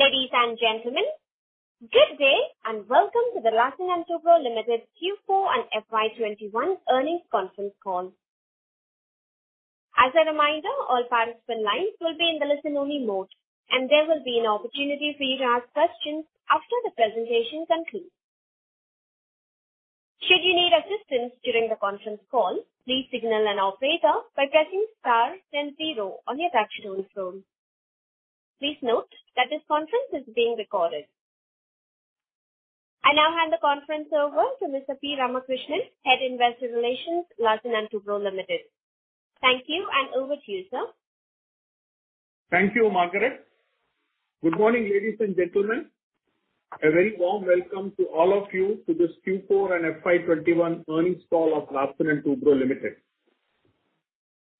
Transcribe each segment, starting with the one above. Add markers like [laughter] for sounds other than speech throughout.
Ladies and gentlemen, good day and welcome to the Larsen & Toubro Limited Q4 and FY 2021 earnings conference call. As a reminder, all parties on the line will be in listen-only mode, and there will be an opportunity for you to ask questions after the presentation concludes. Should you need assistance during the conference call, please signal an operator by pressing star then zero on your touch-tone phone. Please note that this conference is being recorded. I now hand the conference over to Mr. P. Ramakrishnan, Head of Investor Relations, Larsen & Toubro Limited. Thank you, and over to you, sir. Thank you, Margaret. Good morning, ladies and gentlemen. A very warm welcome to all of you to this Q4 and FY 2021 earnings call of Larsen & Toubro Limited.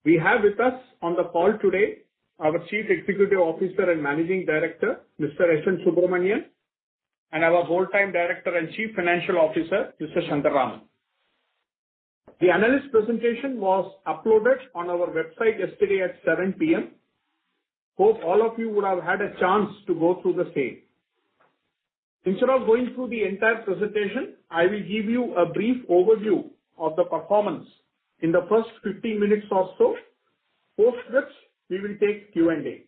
We have with us on the call today our Chief Executive Officer and Managing Director, Mr. S. N. Subrahmanyan, and our Whole-Time Director and Chief Financial Officer, Mr. Shankar Raman. The analyst presentation was uploaded on our website yesterday at 7:00 P.M. Hope all of you would have had a chance to go through the same. Instead of going through the entire presentation, I will give you a brief overview of the performance in the first 15 minutes or so. Post which, we will take Q&A.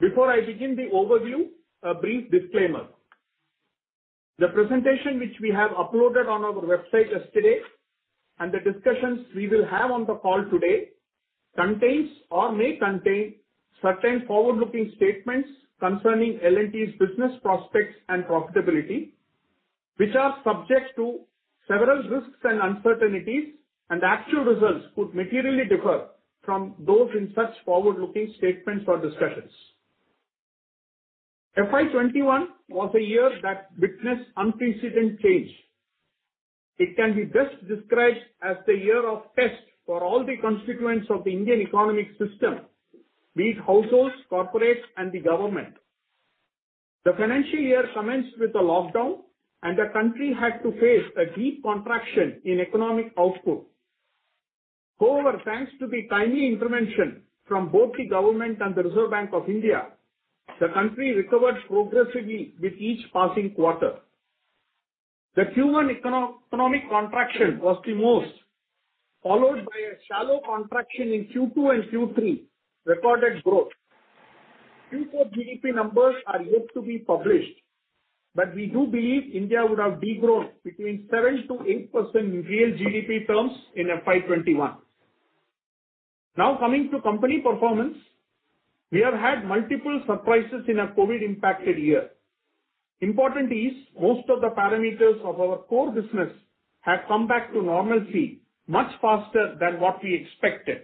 Before I begin the overview, a brief disclaimer. The presentation which we have uploaded on our website yesterday, and the discussions we will have on the call today contains or may contain certain forward-looking statements concerning L&T's business prospects and profitability, which are subject to several risks and uncertainties, and actual results could materially differ from those in such forward-looking statements or discussions. FY 2021 was a year that witnessed unprecedented change. It can be best described as the year of test for all the constituents of the Indian economic system, be it households, corporates, and the government. The financial year commenced with a lockdown, and the country had to face a deep contraction in economic output. However, thanks to the timely intervention from both the government and the Reserve Bank of India, the country recovered progressively with each passing quarter. The Q1 economic contraction was the most, followed by a shallow contraction in Q2 and Q3 recorded growth. Q4 GDP numbers are yet to be published, but we do believe India would have de-growth between 7%-8% in real GDP terms in FY 2021. Coming to company performance. We have had multiple surprises in our COVID-impacted year. Important is most of the parameters of our core business have come back to normalcy much faster than what we expected.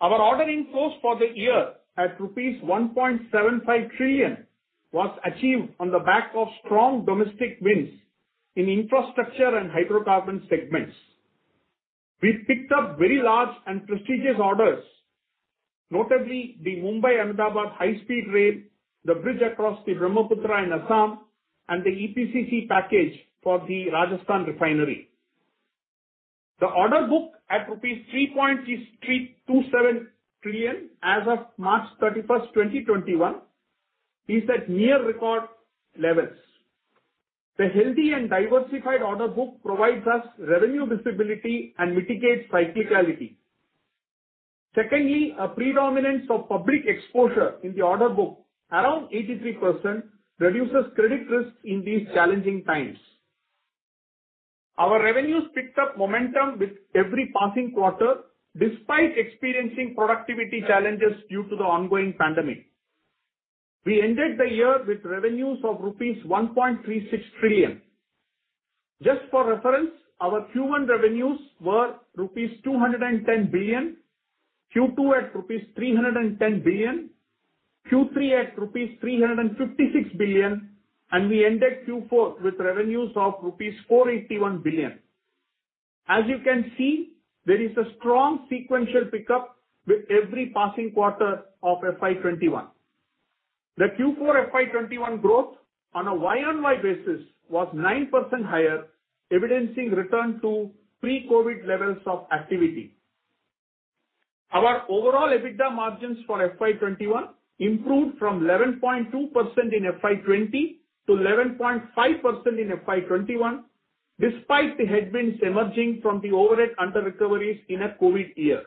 Our order inflows for the year at rupees 1.75 trillion was achieved on the back of strong domestic wins in infrastructure and hydrocarbon segments. We picked up very large and prestigious orders, notably the Mumbai-Ahmedabad high-speed rail, the bridge across the Brahmaputra in Assam, and the EPCC package for the Rajasthan Refinery. The order book at rupees 3.27 trillion as of March 31st, 2021, is at near record levels. The healthy and diversified order book provides us revenue visibility and mitigates cyclicality. Secondly, a predominance of public exposure in the order book, around 83%, reduces credit risk in these challenging times. Our revenues picked up momentum with every passing quarter despite experiencing productivity challenges due to the ongoing pandemic. We ended the year with revenues of rupees 1.36 trillion. Just for reference, our Q1 revenues were rupees 210 billion, Q2 at rupees 310 billion, Q3 at rupees 356 billion, and we ended Q4 with revenues of rupees 481 billion. As you can see, there is a strong sequential pickup with every passing quarter of FY 2021. The Q4 FY 2021 growth on a year-over-year basis was 9% higher, evidencing return to pre-COVID levels of activity. Our overall EBITDA margins for FY 2021 improved from 11.2% in FY 2020 to 11.5% in FY 2021, despite the headwinds emerging from the overhead under recoveries in a COVID year.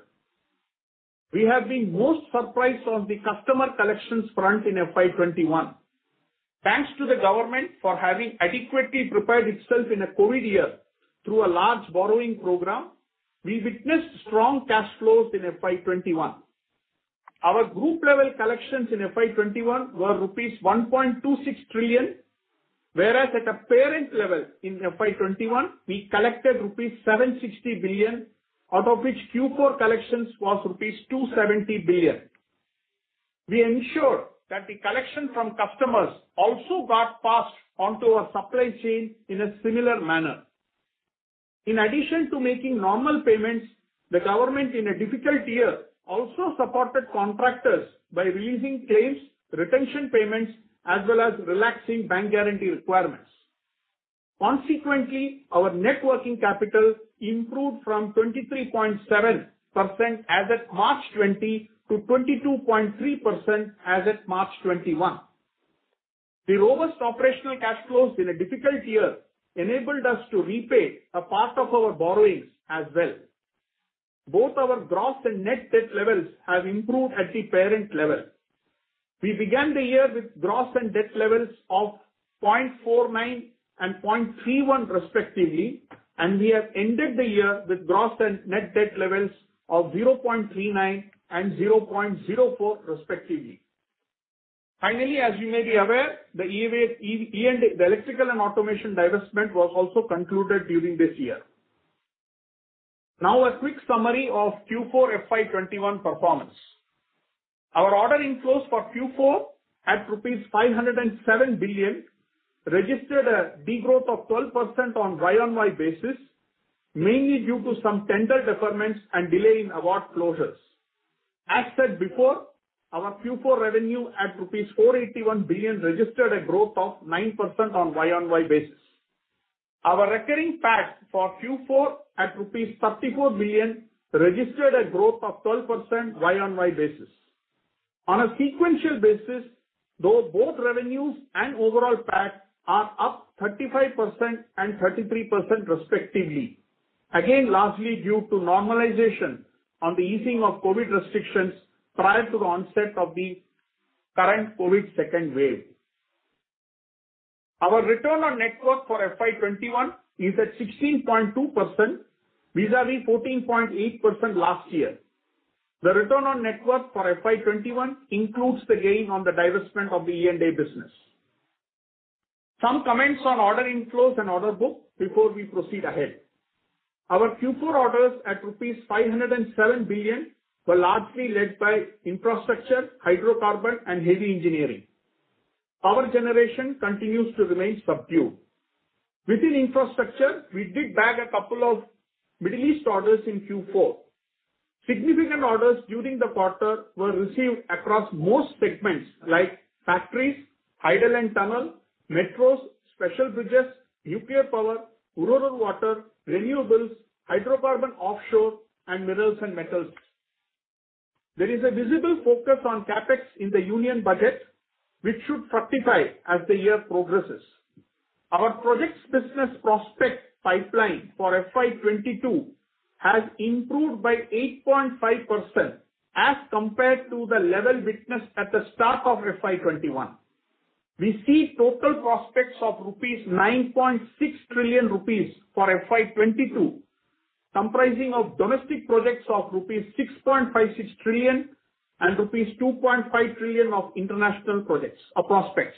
We have been most surprised on the customer collections front in FY 2021. Thanks to the government for having adequately prepared itself in a COVID year through a large borrowing program, we witnessed strong cash flows in FY 2021. Our group-level collections in FY 2021 were rupees 1.26 trillion, whereas at a parent level in FY 2021, we collected rupees 760 billion, out of which Q4 collections was rupees 270 billion. We ensure that the collection from customers also got passed on to our supply chain in a similar manner. In addition to making normal payments, the government, in a difficult year, also supported contractors by releasing claims, retention payments, as well as relaxing bank guarantee requirements. Consequently, our net working capital improved from 23.7% as at March 20 to 22.3% as at March 21. The robust operational cash flows in a difficult year enabled us to repay a part of our borrowings as well. Both our gross and net debt levels have improved at the parent level. We began the year with gross and debt levels of 0.49 and 0.31 respectively, and we have ended the year with gross and net debt levels of 0.39 and 0.04 respectively. Finally, as you may be aware, the Electrical & Automation divestment was also concluded during this year. Now a quick summary of Q4 FY 2021 performance. Our order inflows for Q4 at rupees 507 billion registered a degrowth of 12% on Y-on-Y basis, mainly due to some tender deferments and delay in award closures. As said before, our Q4 revenue at rupees 481 billion registered a growth of 9% on Y-on-Y basis. Our recurring PAT for Q4 at INR 34 billion registered a growth of 12% Y-on-Y basis. On a sequential basis, though, both revenues and overall, PAT are up 35% and 33% respectively. Largely due to normalization on the easing of COVID restrictions prior to the onset of the current COVID second wave. Our return on net worth for FY 2021 is at 16.2% vis-à-vis 14.8% last year. The return on net worth for FY 2021 includes the gain on the divestment of the E&A business. Some comments on order inflows and order book before we proceed ahead. Our Q4 orders at rupees 507 billion were largely led by Infrastructure, Hydrocarbon, and Heavy Engineering. Power Generation continues to remain subdued. Within Infrastructure, we did bag a couple of Middle East orders in Q4. Significant orders during the quarter were received across most segments like Factories, Hydel and Tunnel, Metros, Special Bridges, Nuclear Power, Rural Water, Renewables, Hydrocarbon Offshore, and Minerals and Metals. There is a visible focus on CapEx in the Union Budget, which should certify as the year progresses. Our projects business prospect pipeline for FY 2022 has improved by 8.5% as compared to the level witnessed at the start of FY 2021. We see total prospects of 9.6 trillion rupees for FY 2022, comprising of domestic projects of rupees 6.56 trillion and rupees 2.5 trillion of international projects or prospects.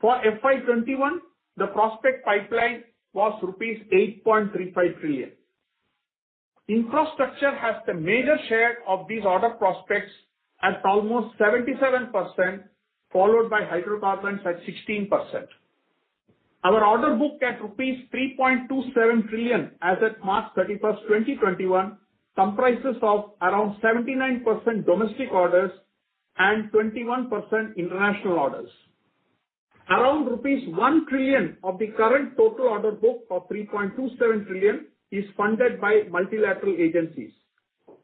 For FY 2021, the prospect pipeline was rupees 8.35 trillion. Infrastructure has the major share of these order prospects at almost 77%, followed by hydrocarbons at 16%. Our order book at rupees 3.27 trillion as at March 31st, 2021 comprises of around 79% domestic orders and 21% international orders. Around rupees 1 trillion of the current total order book of 3.27 trillion is funded by multilateral agencies.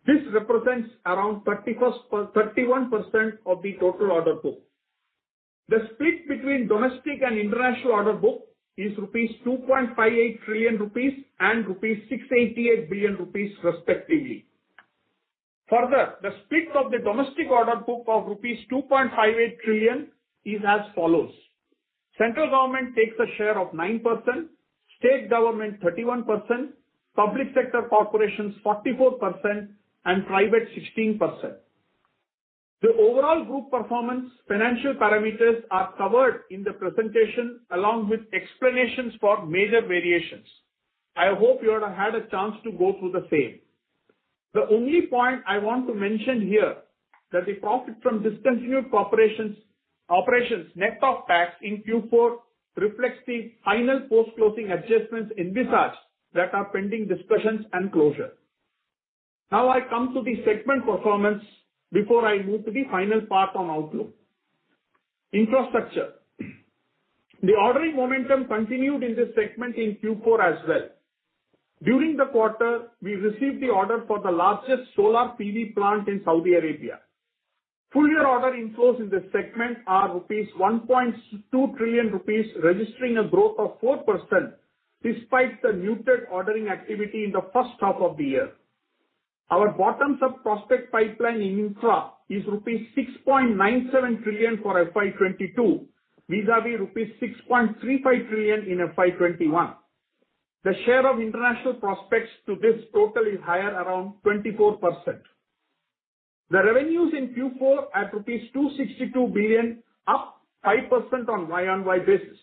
This represents around 31% of the total order book. The split between domestic and international order book is 2.58 trillion rupees and 688 billion rupees respectively. Further, the split of the domestic order book of rupees 2.58 trillion is as follows: Central government takes a share of 9%, state government 31%, public sector corporations 44%, and private 16%. The overall group performance financial parameters are covered in the presentation along with explanations for major variations. I hope you had a chance to go through the same. The only point I want to mention here that the profit from discontinued operations net of tax in Q4 reflects the final post-closing adjustments in Vizag that are pending discussions and closure. I come to the segment performance before I move to the final part on outlook. Infrastructure. The ordering momentum continued in this segment in Q4 as well. During the quarter, we received the order for the largest solar PV plant in Saudi Arabia. Full year order inflows in this segment are 1.2 trillion rupees, registering a growth of 4% despite the muted ordering activity in the first half of the year. Our bottoms-up-prospect pipeline in infra is rupees 6.97 trillion for FY 2022 vis-à-vis rupees 6.35 trillion in FY 2021. The share of international prospects to this total is higher, around 24%. The revenues in Q4 at rupees 262 billion, up 5% on a year-on-year basis.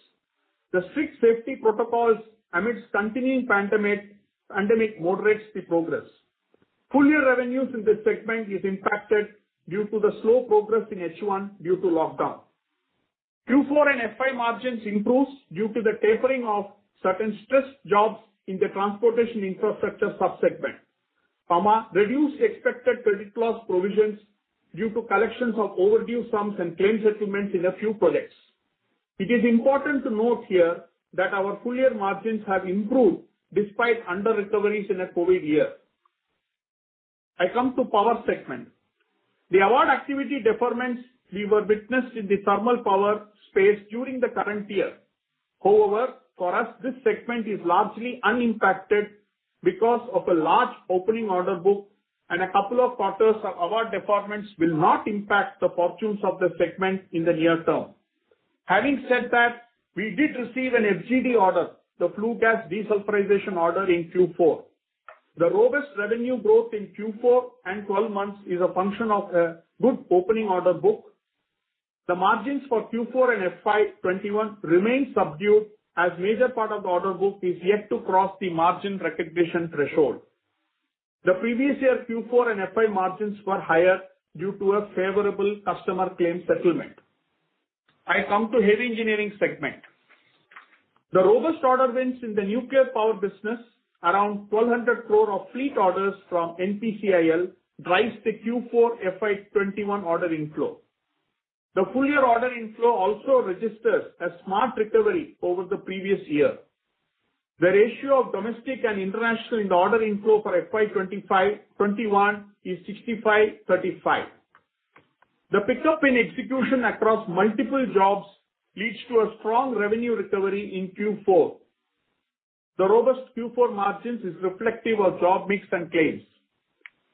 The strict safety protocols amidst continuing pandemic moderates the progress. Full year revenues in this segment is impacted due to the slow progress in H1 due to lockdown. Q4 and FY margins improved due to the tapering of certain stress jobs in the transportation infrastructure sub-segment. Reduced expected credit loss provisions due to collections of overdue sums and claim settlements in a few projects. It is important to note here that our full-year margins have improved despite under-recoveries in a COVID year. I come to power segment. The award activity deferments we were witnessed in the thermal power space during the current year. However, for us, this segment is largely unimpacted because of a large opening order book and a couple of quarters of award deferments will not impact the fortunes of the segment in the near term. Having said that, we did receive an FGD order, the flue gas desulfurization order in Q4. The robust revenue growth in Q4 and 12 months is a function of a good opening order book. The margins for Q4 and FY 2021 remain subdued, as major part of the order book is yet to cross the margin recognition threshold. The previous year Q4 and FY margins were higher due to a favorable customer claim settlement. I come to heavy engineering segment. The robust order wins in the nuclear power business, around 1,200 crore of fleet orders from NPCIL drives the Q4 FY 2021 order inflow. The full-year order inflow also registers a smart recovery over the previous year. The ratio of domestic and international in the order inflow for FY 2021 is 65/35. The pickup in execution across multiple jobs leads to a strong revenue recovery in Q4. The robust Q4 margins is reflective of job mix and claims.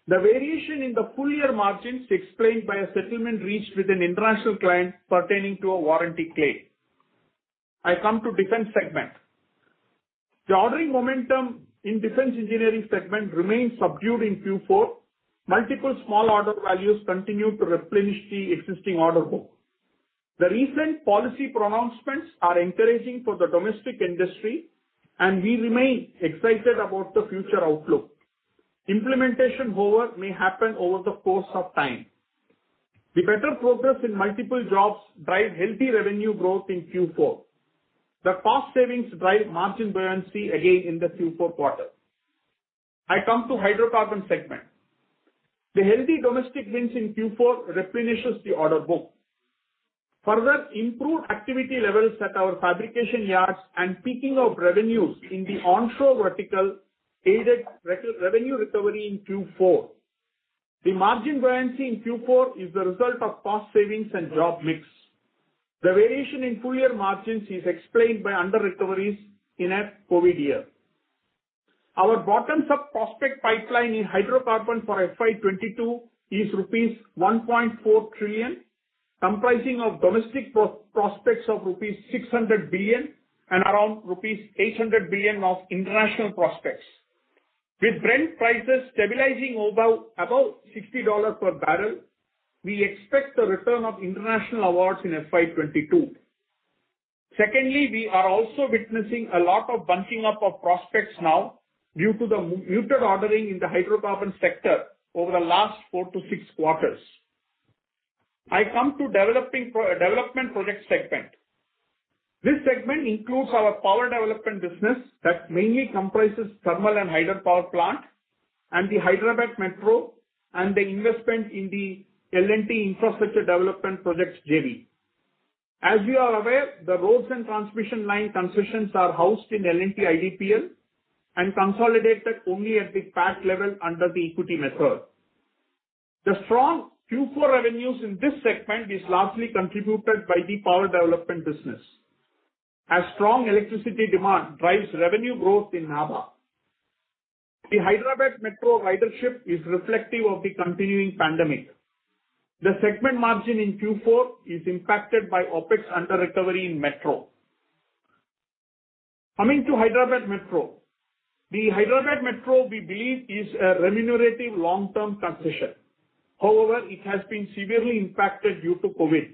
The variation in the full-year margins explained by a settlement reached with an international client pertaining to a warranty claim. I come to defense segment. The ordering momentum in defense engineering segment remains subdued in Q4. Multiple small order values continue to replenish the existing order book. The recent policy pronouncements are encouraging for the domestic industry. We remain excited about the future outlook. Implementation, however, may happen over the course of time. The better progress in multiple jobs drive healthy revenue growth in Q4. The cost savings drive margin buoyancy again in the Q4 quarter. I come to hydrocarbon segment. The healthy domestic wins in Q4 replenishes the order book. Improved activity levels at our fabrication yards and peaking of revenues in the onshore vertical aided revenue recovery in Q4. The margin buoyancy in Q4 is the result of cost savings and job mix. The variation in full-year margins is explained by under-recoveries in a COVID year. Our bottoms-up prospect pipeline in hydrocarbon for FY 2022 is rupees 1.4 trillion, comprising of domestic prospects of rupees 600 billion and around rupees 800 billion of international prospects. With Brent prices stabilizing above $60 per barrel, we expect the return of international awards in FY 2022. Secondly, we are also witnessing a lot of bunching up of prospects now due to the muted ordering in the hydrocarbon sector over the last four to six quarters. I come to development project segment. This segment includes our power development business that mainly comprises thermal and hydropower plant, and the Hyderabad Metro, and the investment in the L&T Infrastructure Development Projects JV. As you are aware, the roads and transmission line concessions are housed in L&T IDPL and consolidated only at the PAT level under the equity method. The strong Q4 revenues in this segment is largely contributed by the power development business. As strong electricity demand drives revenue growth in Nabha. The Hyderabad Metro ridership is reflective of the continuing pandemic. The segment margin in Q4 is impacted by OpEx under-recovery in Metro. Coming to Hyderabad Metro. The Hyderabad Metro, we believe, is a remunerative long-term concession. It has been severely impacted due to COVID.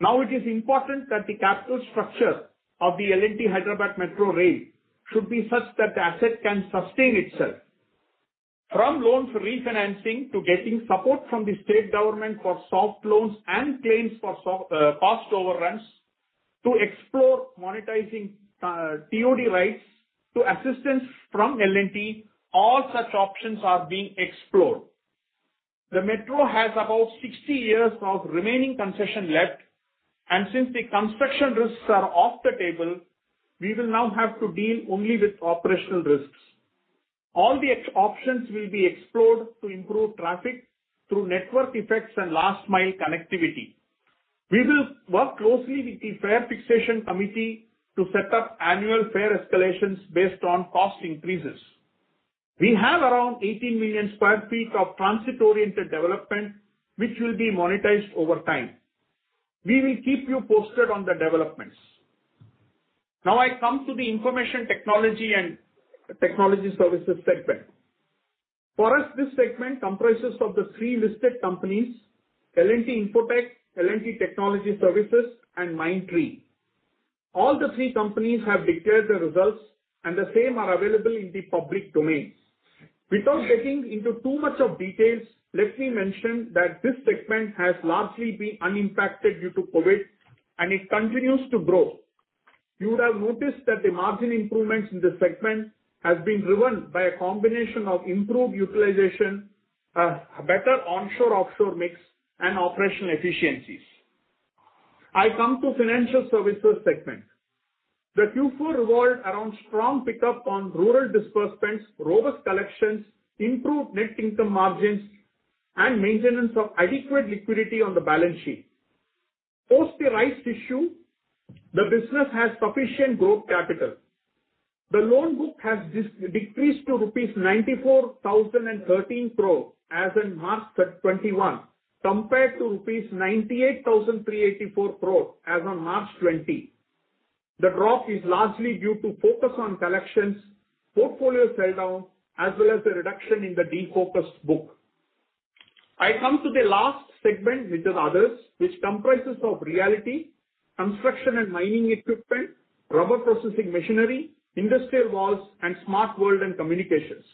It is important that the capital structure of the L&T Hyderabad Metro Rail should be such that the asset can sustain itself. From loans refinancing to getting support from the state government for soft loans and claims for cost overruns to explore monetizing TOD rights to assistance from L&T, all such options are being explored. The Metro has about 60 years of remaining concession left, since the construction risks are off the table, we will now have to deal only with operational risks. All the options will be explored to improve traffic through network effects and last mile connectivity. We will work closely with the Fare Fixation Committee to set up annual fare escalations based on cost increases. We have around 18 million square feet of transit-oriented development, which will be monetized over time. We will keep you posted on the developments. I come to the information technology and technology services segment. For us, this segment comprises of the three listed companies, L&T Infotech, L&T Technology Services, and Mindtree. All the three companies have declared their results, and the same are available in the public domain. Without getting into too much of details, let me mention that this segment has largely been unimpacted due to COVID, and it continues to grow. You would have noticed that the margin improvements in the segment has been driven by a combination of improved utilization, a better onshore-offshore mix, and operational efficiencies. I come to financial services segment. The Q4 revolved around strong pickup on rural disbursements, robust collections, improved net income margins, and maintenance of adequate liquidity on the balance sheet. Post the rights issue, the business has sufficient growth capital. The loan book has decreased to rupees 94,013 crore as in March 2021, compared to rupees 98,384 crore as on March 2020. The drop is largely due to focus on collections, portfolio sell down, as well as the reduction in the de-focused book. I come to the last segment, which is others, which comprises of realty, construction and mining equipment, rubber processing machinery, industrial valves, and smart world and communications.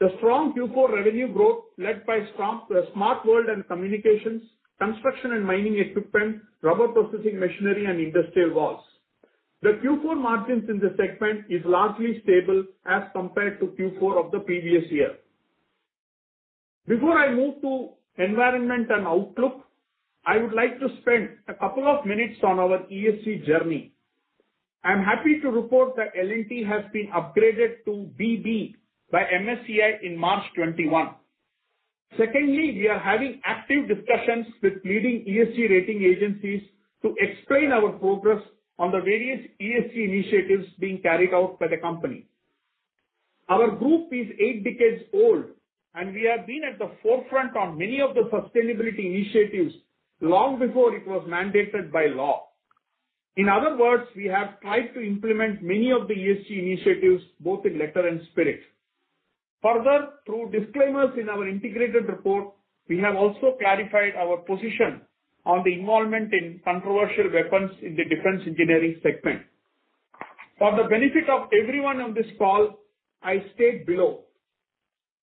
The strong Q4 revenue growth led by strong smart world and communications, construction and mining equipment, rubber processing machinery and industrial valves. The Q4 margins in this segment is largely stable as compared to Q4 of the previous year. Before I move to environment and outlook, I would like to spend a couple of minutes on our ESG journey. I'm happy to report that L&T has been upgraded to BB by MSCI in March 2021. Secondly, we are having active discussions with leading ESG rating agencies to explain our progress on the various ESG initiatives being carried out by the company. Our group is eight decades old, and we have been at the forefront on many of the sustainability initiatives long before it was mandated by law. In other words, we have tried to implement many of the ESG initiatives, both in letter and spirit. Further, through disclaimers in our integrated report, we have also clarified our position on the involvement in controversial weapons in the defense engineering segment. For the benefit of everyone on this call, I state below.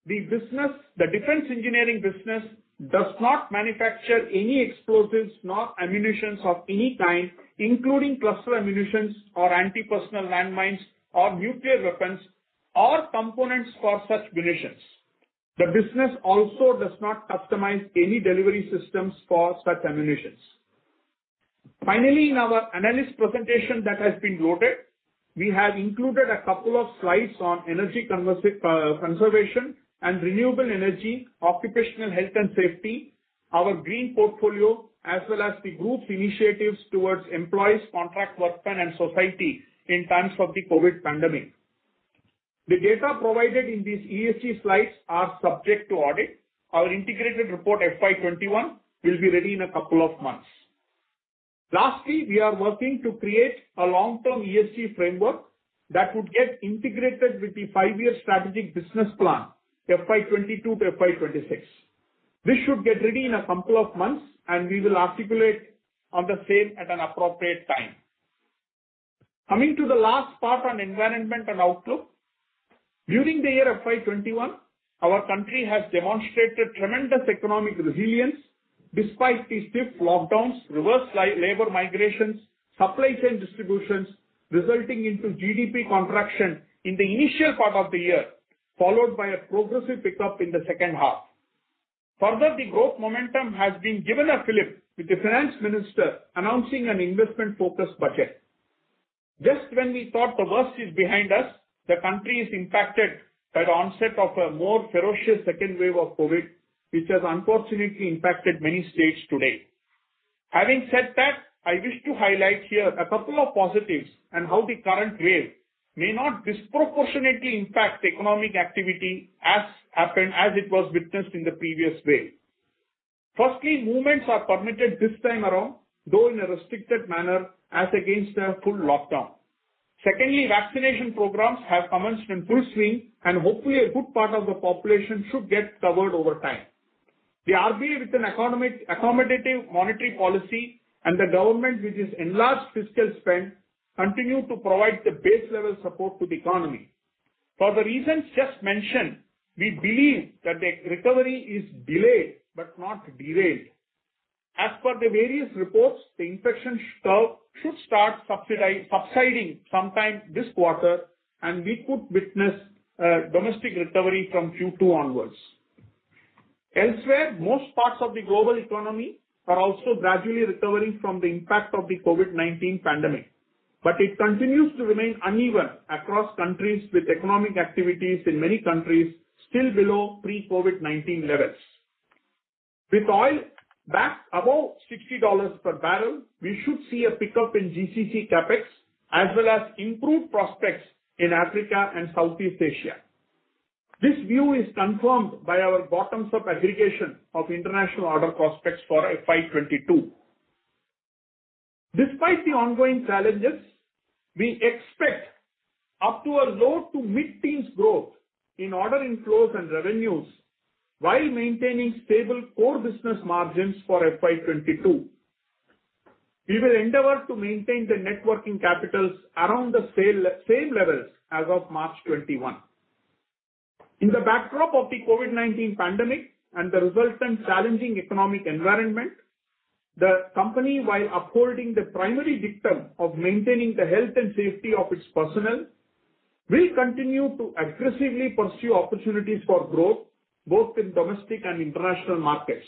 The defense engineering business does not manufacture any explosives nor ammunitions of any kind, including cluster ammunitions or anti-personnel landmines or nuclear weapons or components for such munitions. The business also does not customize any delivery systems for such ammunitions. In our analyst presentation that has been loaded, we have included a couple of slides on energy conservation and renewable energy, occupational health and safety, our green portfolio, as well as the group's initiatives towards employees, contract workmen and society in times of the COVID pandemic. The data provided in these ESG slides are subject to audit. Our integrated report FY 2021 will be ready in a couple of months. We are working to create a long-term ESG framework that would get integrated with the five-year strategic business plan, FY 2022 to FY 2026. This should get ready in a couple of months, we will articulate on the same at an appropriate time. Coming to the last part on environment and outlook. During the year FY 2021, our country has demonstrated tremendous economic resilience despite the strict lockdowns, reverse labor migrations, supply chain disruptions, resulting into GDP contraction in the initial part of the year, followed by a progressive pickup in the second half. The growth momentum has been given a flip with the finance minister announcing an investment-focused budget. Just when we thought the worst is behind us, the country is impacted by the onset of a more ferocious second wave of COVID, which has unfortunately impacted many states today. Having said that, I wish to highlight here a couple of positives and how the current wave may not disproportionately impact economic activity as it was witnessed in the previous wave. Firstly, movements are permitted this time around, though in a restricted manner as against a full lockdown. Secondly, vaccination programs have commenced in full swing and hopefully a good part of the population should get covered over time. We are dealing with an accommodative monetary policy, and the government with its enlarged fiscal spend continue to provide the base level support to the economy. For the reasons just mentioned, we believe that the recovery is delayed but not derailed. As per the various reports, the infection curve should start subsiding sometime this quarter, and we could witness domestic recovery from Q2 onwards. Elsewhere, most parts of the global economy are also gradually recovering from the impact of the COVID-19 pandemic, but it continues to remain uneven across countries with economic activities in many countries still below pre-COVID-19 levels. With oil back above $60 per barrel, we should see a pickup in GCC CapEx, as well as improved prospects in Africa and Southeast Asia. This view is confirmed by our bottoms-up aggregation of international order prospects for FY 2022. Despite the ongoing challenges, we expect up to a low- to mid-teens growth in ordering flows and revenues while maintaining stable core business margins for FY 2022. We will endeavor to maintain the net working capitals around the same levels as of March 2021. In the backdrop of the COVID-19 pandemic and the resultant challenging economic environment, the company, while upholding the primary dictum of maintaining the health and safety of its personnel, will continue to aggressively pursue opportunities for growth, both in domestic and international markets.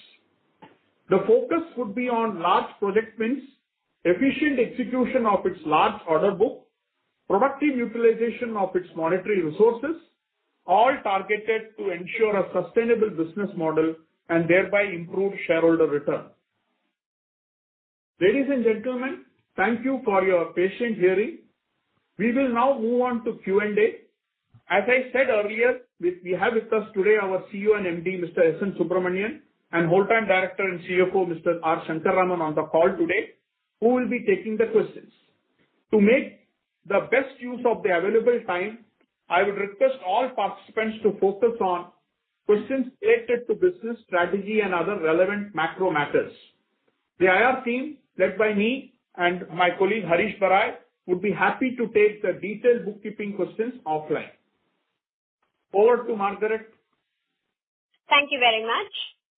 The focus would be on large project wins, efficient execution of its large order book, productive utilization of its monetary resources, all targeted to ensure a sustainable business model and thereby improve shareholder return. Ladies and gentlemen, thank you for your patient hearing. We will now move on to Q&A. As I said earlier, we have with us today our CEO and MD, Mr. S. N. Subrahmanyan, and Whole-Time Director and CFO, Mr. R. Shankar Raman on the call today, who will be taking the questions. To make the best use of the available time, I would request all participants to focus on questions related to business strategy and other relevant macro matters. The IR team, led by me and my colleague, Harish Barai, would be happy to take the detailed bookkeeping questions offline. Over to Margaret. Thank you very much.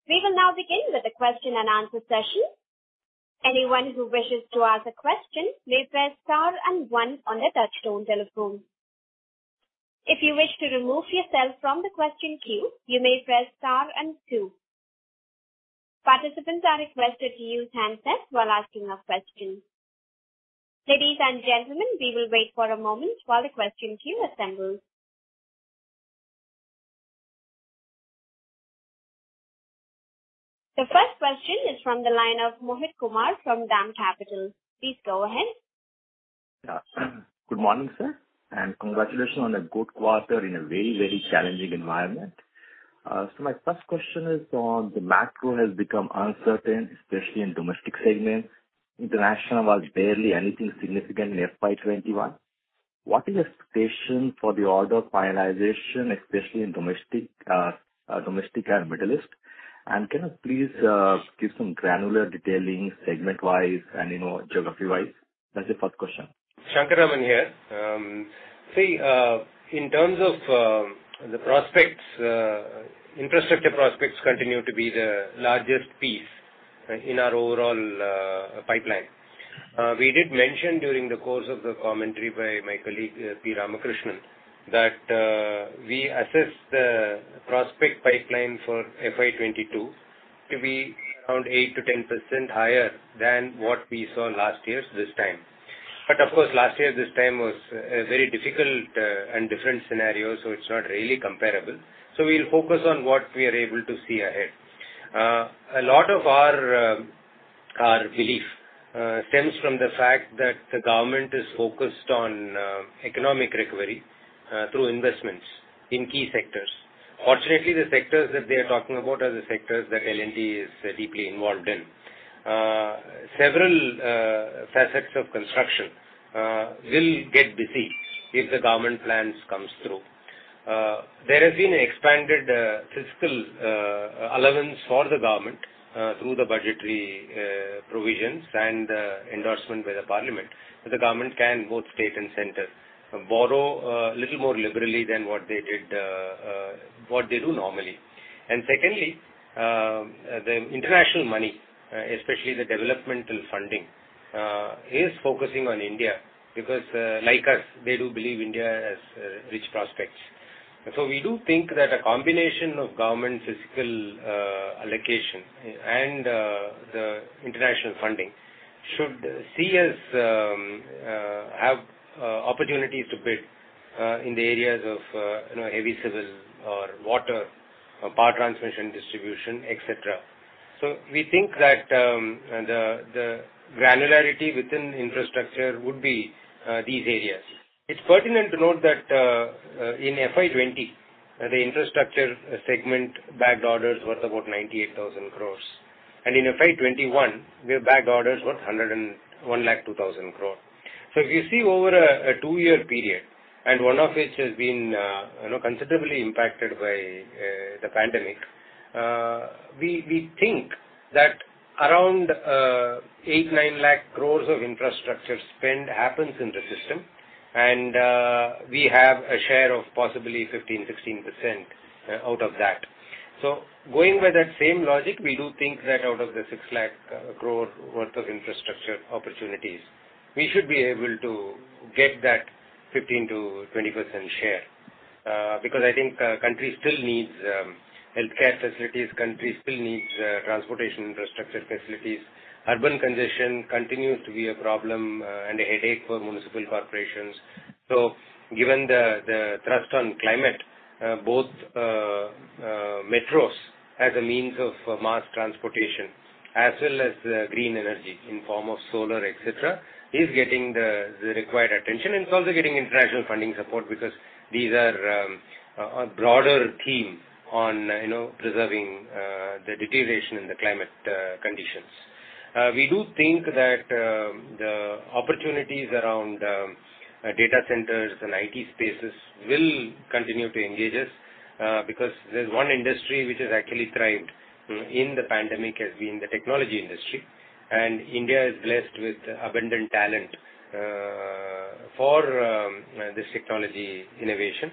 We will now begin with the question and answer session. Anyone who wishes to ask a question may press star and one on their touchtone telephone. If you wish to remove yourself from the question queue, you may press star and two. Participants are requested to use handsets while asking a question. Ladies and gentlemen, we will wait for a moment while the question queue assembles. The first question is from the line of Mohit Kumar from DAM Capital. Please go ahead. Yeah. Good morning, sir, and congratulations on a good quarter in a very challenging environment. My first question is on the macro has become uncertain, especially in domestic segment. International was barely anything significant in FY 2021. What is your expectation for the order finalization, especially in domestic and Middle East? Can you please give some granular detailing segment-wise and geography-wise? That's the first question. Shankar Raman here. In terms of the prospects, infrastructure prospects continue to be the largest piece in our overall pipeline. We did mention during the course of the commentary by my colleague, P. Ramakrishnan, that we assess the prospect pipeline for FY 2022 to be around 8%-10% higher than what we saw last year this time. Of course, last year this time was a very difficult and different scenario, so it's not really comparable. We'll focus on what we are able to see ahead. A lot of our belief stems from the fact that the government is focused on economic recovery through investments in key sectors. Fortunately, the sectors that they're talking about are the sectors that L&T is deeply involved in. Several facets of construction will get busy if the government plans comes through. There has been expanded fiscal allowance for the government through the budgetary provisions and endorsement by the parliament that the government can, both state and center, borrow a little more liberally than what they do normally. Secondly, the international money, especially the developmental funding, is focusing on India because, like us, they do believe India has rich prospects. We do think that a combination of government fiscal allocation and the international funding should see us have opportunities to bid in the areas of heavy civil or water or power transmission and distribution, et cetera. We think that the granularity within infrastructure would be these areas. It's pertinent to note that in FY 2020, the infrastructure segment bagged orders worth about 98,000 crore, and in FY 2021, we have bagged orders worth 1 lakh 2,000 crore. If you see over a two-year period, and one of which has been considerably impacted by the pandemic, we think that around 8, 9 lakh crores of infrastructure spend happens in the system, and we have a share of possibly 15%, 16% out of that. Going by that same logic, we do think that out of the 6 lakh crore worth of infrastructure opportunities, we should be able to get that 15%-20% share because I think country still needs healthcare facilities, country still needs transportation infrastructure facilities. Urban congestion continues to be a problem and a headache for municipal corporations. Given the thrust on climate both metros as a means of mass transportation as well as green energy in form of solar, et cetera, is getting the required attention and it's also getting international funding support because these are a broader theme on preserving the deterioration in the climate conditions. We do think that the opportunities around data centers and IT spaces will continue to engage us because there's one industry which has actually thrived in the pandemic, has been the technology industry, and India is blessed with abundant talent. For this technology innovation.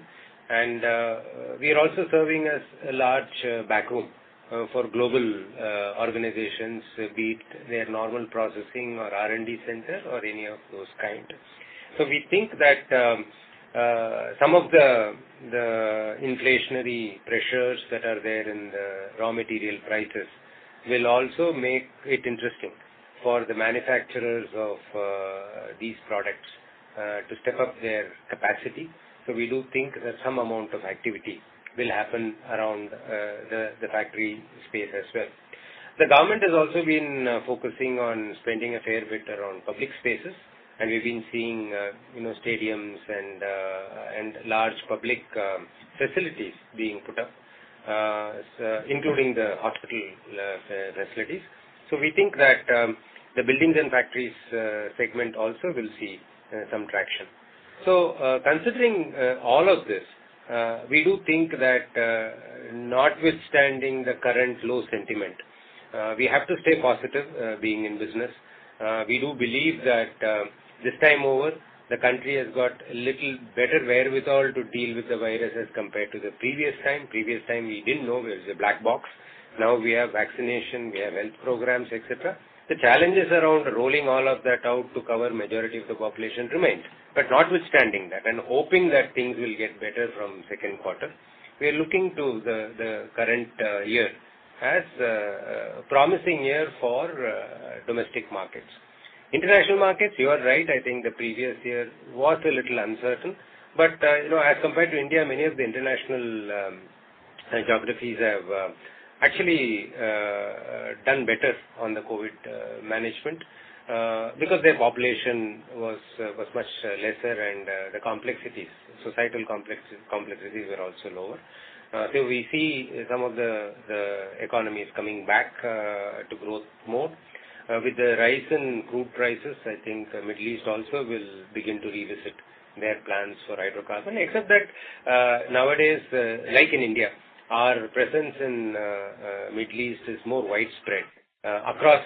We are also serving as a large backroom for global organizations, be it their normal processing or R&D center or any of those kind. We think that some of the inflationary pressures that are there in the raw material prices will also make it interesting for the manufacturers of these products to step up their capacity. We do think that some amount of activity will happen around the factory space as well. The government has also been focusing on spending a fair bit around public spaces, and we've been seeing stadiums and large public facilities being put up, including the hospital facilities. We think that the Buildings & Factories segment also will see some traction. Considering all of this, we do think that notwithstanding the current low sentiment, we have to stay positive being in business. We do believe that this time over, the country has got a little better wherewithal to deal with the virus as compared to the previous time. Previous time we didn't know, it was a black box. Now we have vaccination, we have health programs, et cetera. The challenges around rolling all of that out to cover majority of the population remains. Notwithstanding that, and hoping that things will get better from second quarter, we are looking to the current year as a promising year for domestic markets. International markets, you are right, I think the previous year was a little uncertain. As compared to India, many of the international geographies have actually done better on the COVID management, because their population was much lesser and the societal complexities were also lower. We see some of the economies coming back to growth more. With the rise in crude prices, I think the Middle East also will begin to revisit their plans for hydrocarbon, except that nowadays, like in India, our presence in Middle East is more widespread across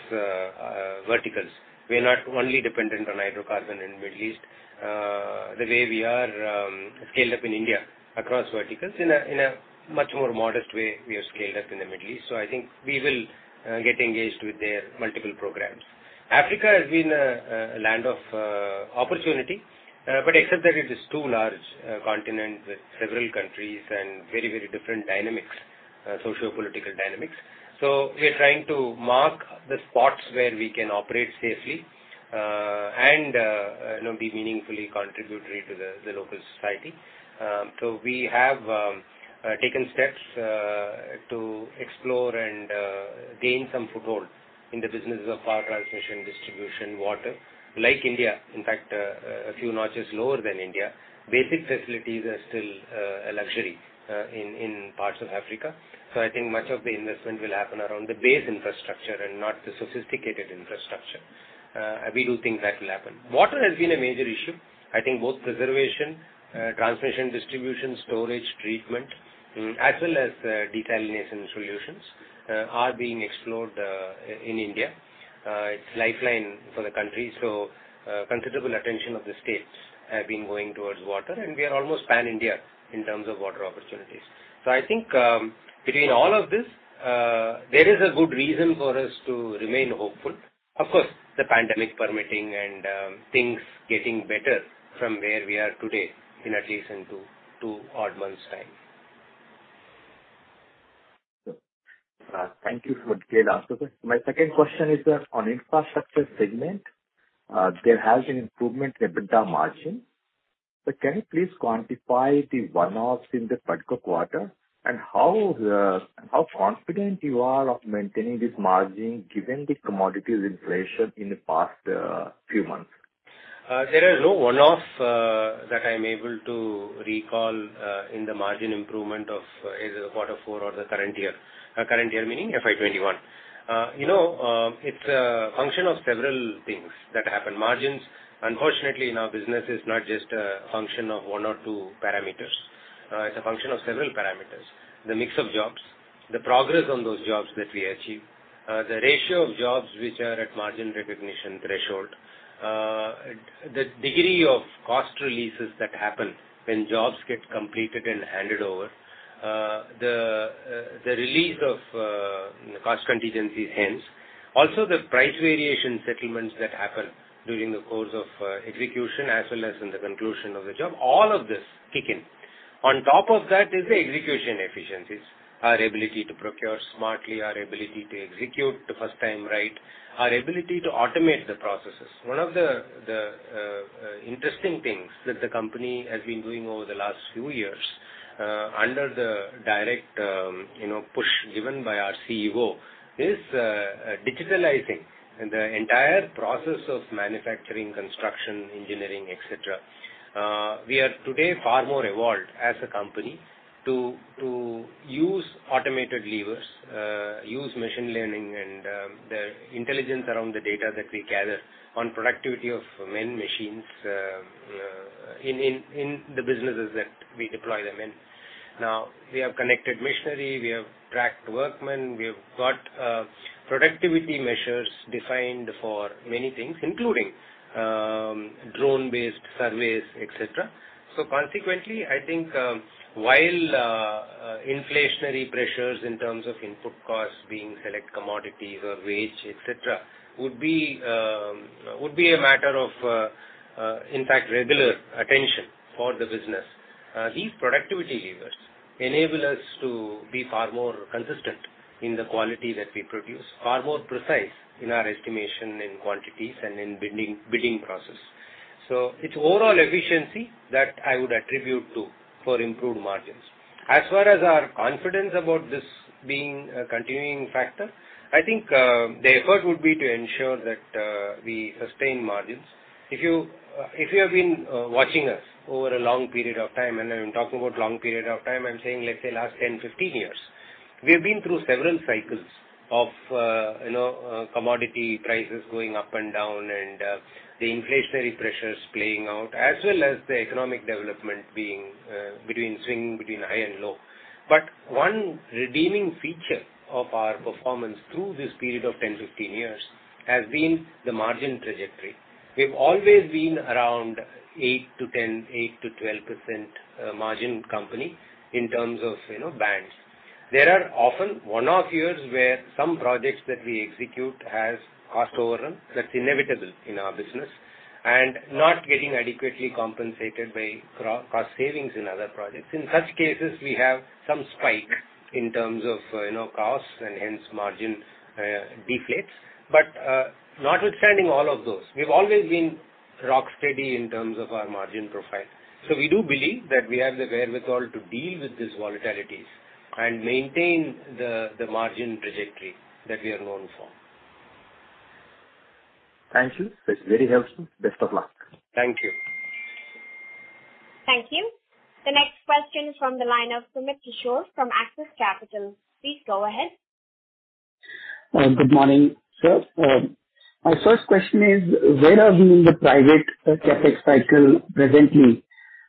verticals. We are not only dependent on hydrocarbon in Middle East the way we are scaled up in India across verticals. In a much more modest way, we are scaled up in the Middle East. I think we will get engaged with their multiple programs. Africa has been a land of opportunity, except that it is too large a continent with several countries and very different socio-political dynamics. We are trying to mark the spots where we can operate safely, and be meaningfully contributory to the local society. We have taken steps to explore and gain some foothold in the business of power transmission, distribution, water. Like India, in fact, a few notches lower than India, basic facilities are still a luxury in parts of Africa. I think much of the investment will happen around the base infrastructure and not the sophisticated infrastructure. We do think that will happen. Water has been a major issue. I think both preservation, transmission, distribution, storage, treatment, as well as desalination solutions are being explored in India. It's lifeline for the country. Considerable attention of the states have been going towards water, and we are almost pan-India in terms of water opportunities. I think between all of this, there is a good reason for us to remain hopeful. Of course, the pandemic permitting and things getting better from where we are today in relation to normal times. Thank you for the clear answer. My second question is on infrastructure segment, there has an improvement EBITDA margin. Can you please quantify the one-offs in the particular quarter, and how confident you are of maintaining this margin given the commodity inflation in the past three months? There are no one-offs that I'm able to recall in the margin improvement of either quarter four or the current year. Current year meaning FY 2021. It's a function of several things that happen. Margins, unfortunately, in our business is not just a function of one or two parameters. It's a function of several parameters. The mix of jobs, the progress on those jobs that we achieve, the ratio of jobs which are at margin recognition threshold, the degree of cost releases that happen when jobs get completed and handed over. The release of cost contingencies ends. The price variation settlements that happen during the course of execution as well as in the conclusion of the job. All of this kick in. On top of that is the execution efficiencies. Our ability to procure smartly, our ability to execute the first time right, our ability to automate the processes. One of the interesting things that the company has been doing over the last few years, under the direct push given by our CEO, is digitalizing the entire process of manufacturing, construction, engineering, et cetera. We are today far more evolved as a company to use automated levers, use machine learning and the intelligence around the data that we gather on productivity of men, machines in the businesses that we deploy them in. Now, we have connected machinery, we have tracked workmen, we've got productivity measures defined for many things, including drone-based surveys, et cetera. Consequently, I think while inflationary pressures in terms of input costs being correct commodity or wage, et cetera, would be a matter of, in fact, regular attention for the business. These productivity levers enable us to be far more consistent in the quality that we produce, far more precise in our estimation in quantities and in bidding process. It's overall efficiency that I would attribute for improved margins. As far as our confidence about this being a continuing factor, I think the effort would be to ensure that we sustain margins. If you have been watching us over a long period of time, I'm talking about long period of time, I'm saying, let's say last 10, 15 years. We've been through several cycles of commodity prices going up and down and the inflationary pressures playing out, as well as the economic development swinging between high and low. One redeeming feature of our performance through this period of 10-15 years has been the margin trajectory. We've always been around 8%-12% margin company in terms of bands. There are often one-off years where some projects that we execute have cost overruns. That's inevitable in our business and not getting adequately compensated by cost savings in other projects. In such cases, we have some spike in terms of costs and hence margin deflates. Notwithstanding all of those, we've always been rock steady in terms of our margin profile. We do believe that we have the wherewithal to deal with these volatilities and maintain the margin trajectory that we are known for. Thank you. That's very helpful. Best of luck. Thank you. Thank you. The next question from the line of Sumit Kishore from Axis Capital. Please go ahead. Good morning, sir. My first question is: where are we in the private CapEx cycle presently?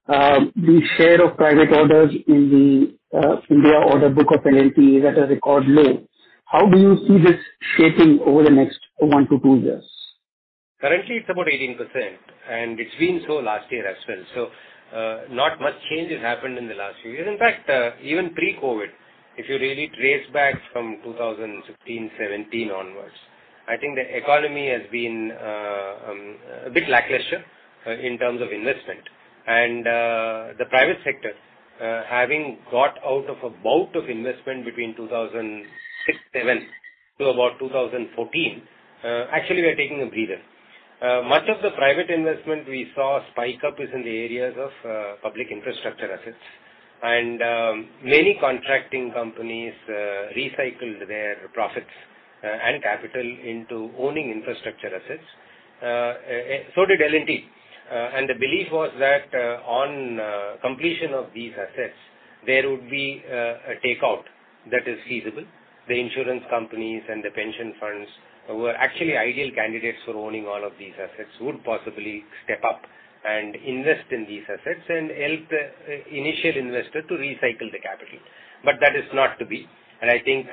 The share of private orders in the India order book of L&T is at a record low. How do you see this shaping over the next one to two years? Currently, it's about 18%, and it's been so last year as well. Not much change has happened in the last year. In fact, even pre-COVID, if you really trace back from 2015, 2017 onwards, I think the economy has been a bit lackluster in terms of investment. The private sector, having got out of a bout of investment between 2006, 2007 to about 2014, actually were taking a breather. Much of the private investment we saw spike up is in the areas of public infrastructure assets. Many contracting companies recycled their profits and capital into owning infrastructure assets. So did L&T, and the belief was that on completion of these assets, there would be a takeout that is feasible. The insurance companies and the pension funds were actually ideal candidates for owning all of these assets, would possibly step up and invest in these assets and help the initial investor to recycle the capital. That is not to be. I think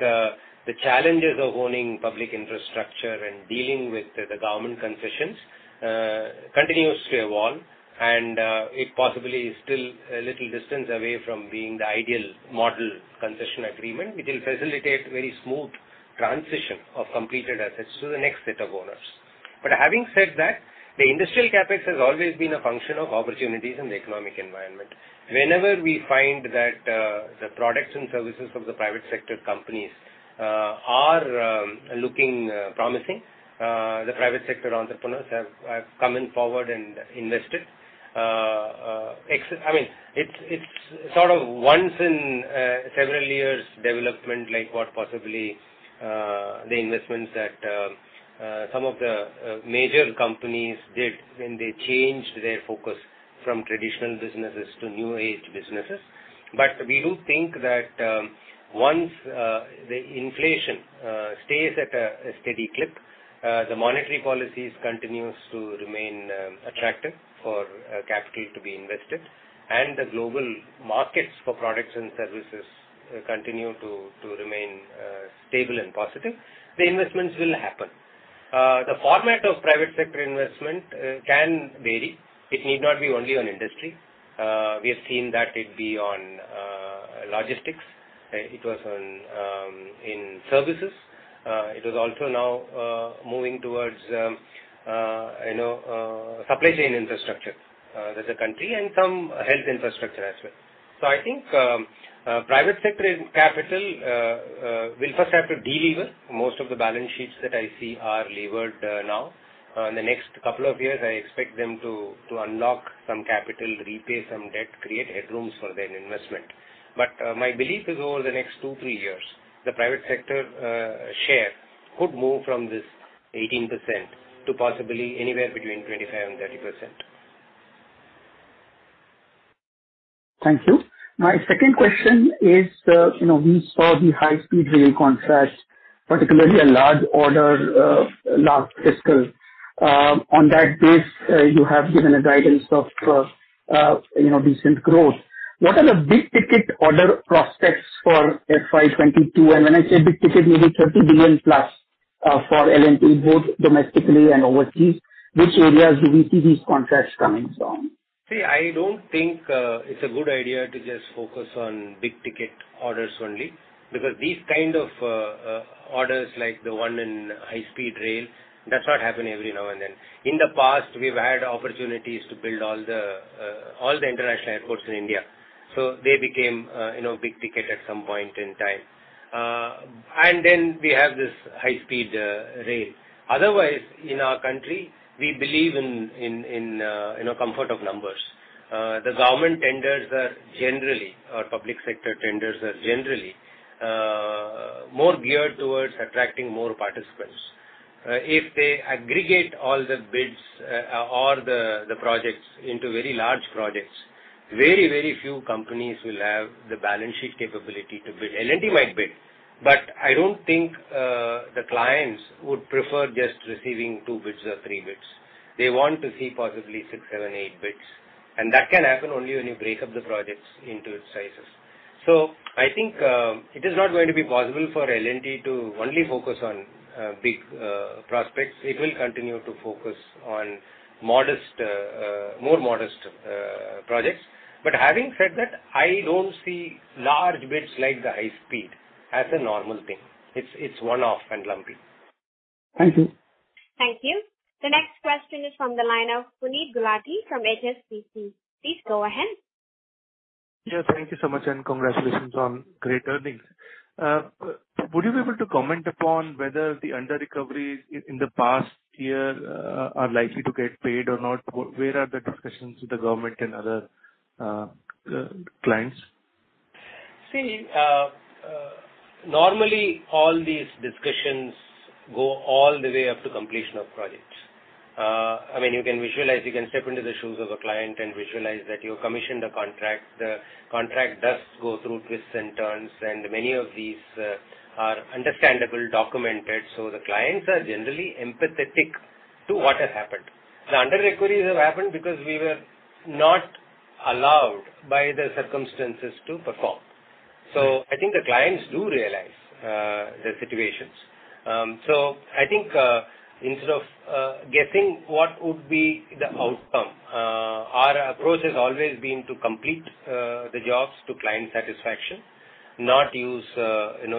the challenges of owning public infrastructure and dealing with the government concessions continues to evolve, and it possibly is still a little distance away from being the ideal model concession agreement, which will facilitate very smooth transition of completed assets to the next set of owners. Having said that, the industrial capex has always been a function of opportunities in the economic environment. Whenever we find that the products and services of the private sector companies are looking promising, the private sector entrepreneurs have come in forward and invested. It's sort of once in a several years development like what possibly the investments that some of the major companies did when they changed their focus from traditional businesses to new age businesses. We do think that once the inflation stays at a steady clip, the monetary policies continues to remain attractive for capital to be invested, and the global markets for products and services continue to remain stable and positive, the investments will happen. The format of private sector investment can vary. It need not be only on industry. We have seen that it be on logistics. It was in services. It is also now moving towards supply chain infrastructure as a country and some health infrastructure as well. I think private sector capital will first have to deal with most of the balance sheets that I see are levered now. In the next couple of years, I expect them to unlock some capital, repay some debt, create headroom for their investment. My belief is over the next two, three years, the private sector share could move from this 18% to possibly anywhere between 25% and 30%. Thank you. My second question is, we saw the high-speed rail contracts, particularly a large order last fiscal. On that base, you have given a guidance of decent growth. What are the big-ticket order prospects for FY 2022? When I say big-ticket, maybe $30+ billion for L&T, both domestically and overseas. Which areas do we see these contracts coming from? I don't think it's a good idea to just focus on big-ticket orders only. These kind of orders like the one in high-speed rail, that's what happen every now and then. In the past, we've had opportunities to build all the international airports in India. They became big ticket at some point in time. We have this high-speed rail. In our country, we believe in comfort of numbers. The government tenders are generally, or public sector tenders are generally more geared towards attracting more participants. If they aggregate all the bids or the projects into very large projects, very few companies will have the balance sheet capability to bid. L&T might bid, I don't think the clients would prefer just receiving two bids or three bids. They want to see possibly six, seven, eight bids. That can happen only when you break up the projects into its sizes. I think it is not going to be possible for L&T to only focus on big prospects. It will continue to focus on more modest projects. Having said that, I don't see large bids like the high speed as a normal thing. It's one-off and lumpy. Thank you. Thank you. The next question is from the line of Puneet Gulati from HSBC. Please go ahead. Yeah, thank you so much, and congratulations on great earnings. Would you be able to comment upon whether the under-recoveries in the past year are likely to get paid or not? Where are the discussions with the government and other clients? See, normally all these discussions go all the way up to completion of projects. You can step into the shoes of a client and visualize that you've commissioned a contract. The contract does go through twists and turns, and many of these are understandably documented. The clients are generally empathetic to what has happened. The under-recoveries have happened because we were not allowed by the circumstances to perform. I think the clients do realize the situations. I think instead of guessing what would be the outcome, our approach has always been to complete the jobs to client satisfaction, not use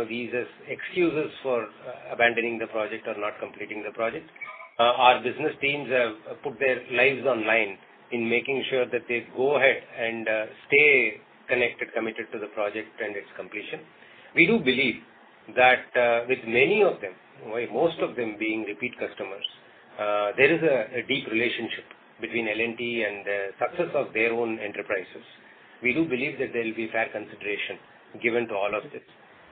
these as excuses for abandoning the project or not completing the project. Our business teams have put their lives on line in making sure that they go ahead and stay connected, committed to the project and its completion. We do believe that with many of them, most of them being repeat customers, there is a deep relationship between L&T and the success of their own enterprises. We do believe that there will be fair consideration given to all of this.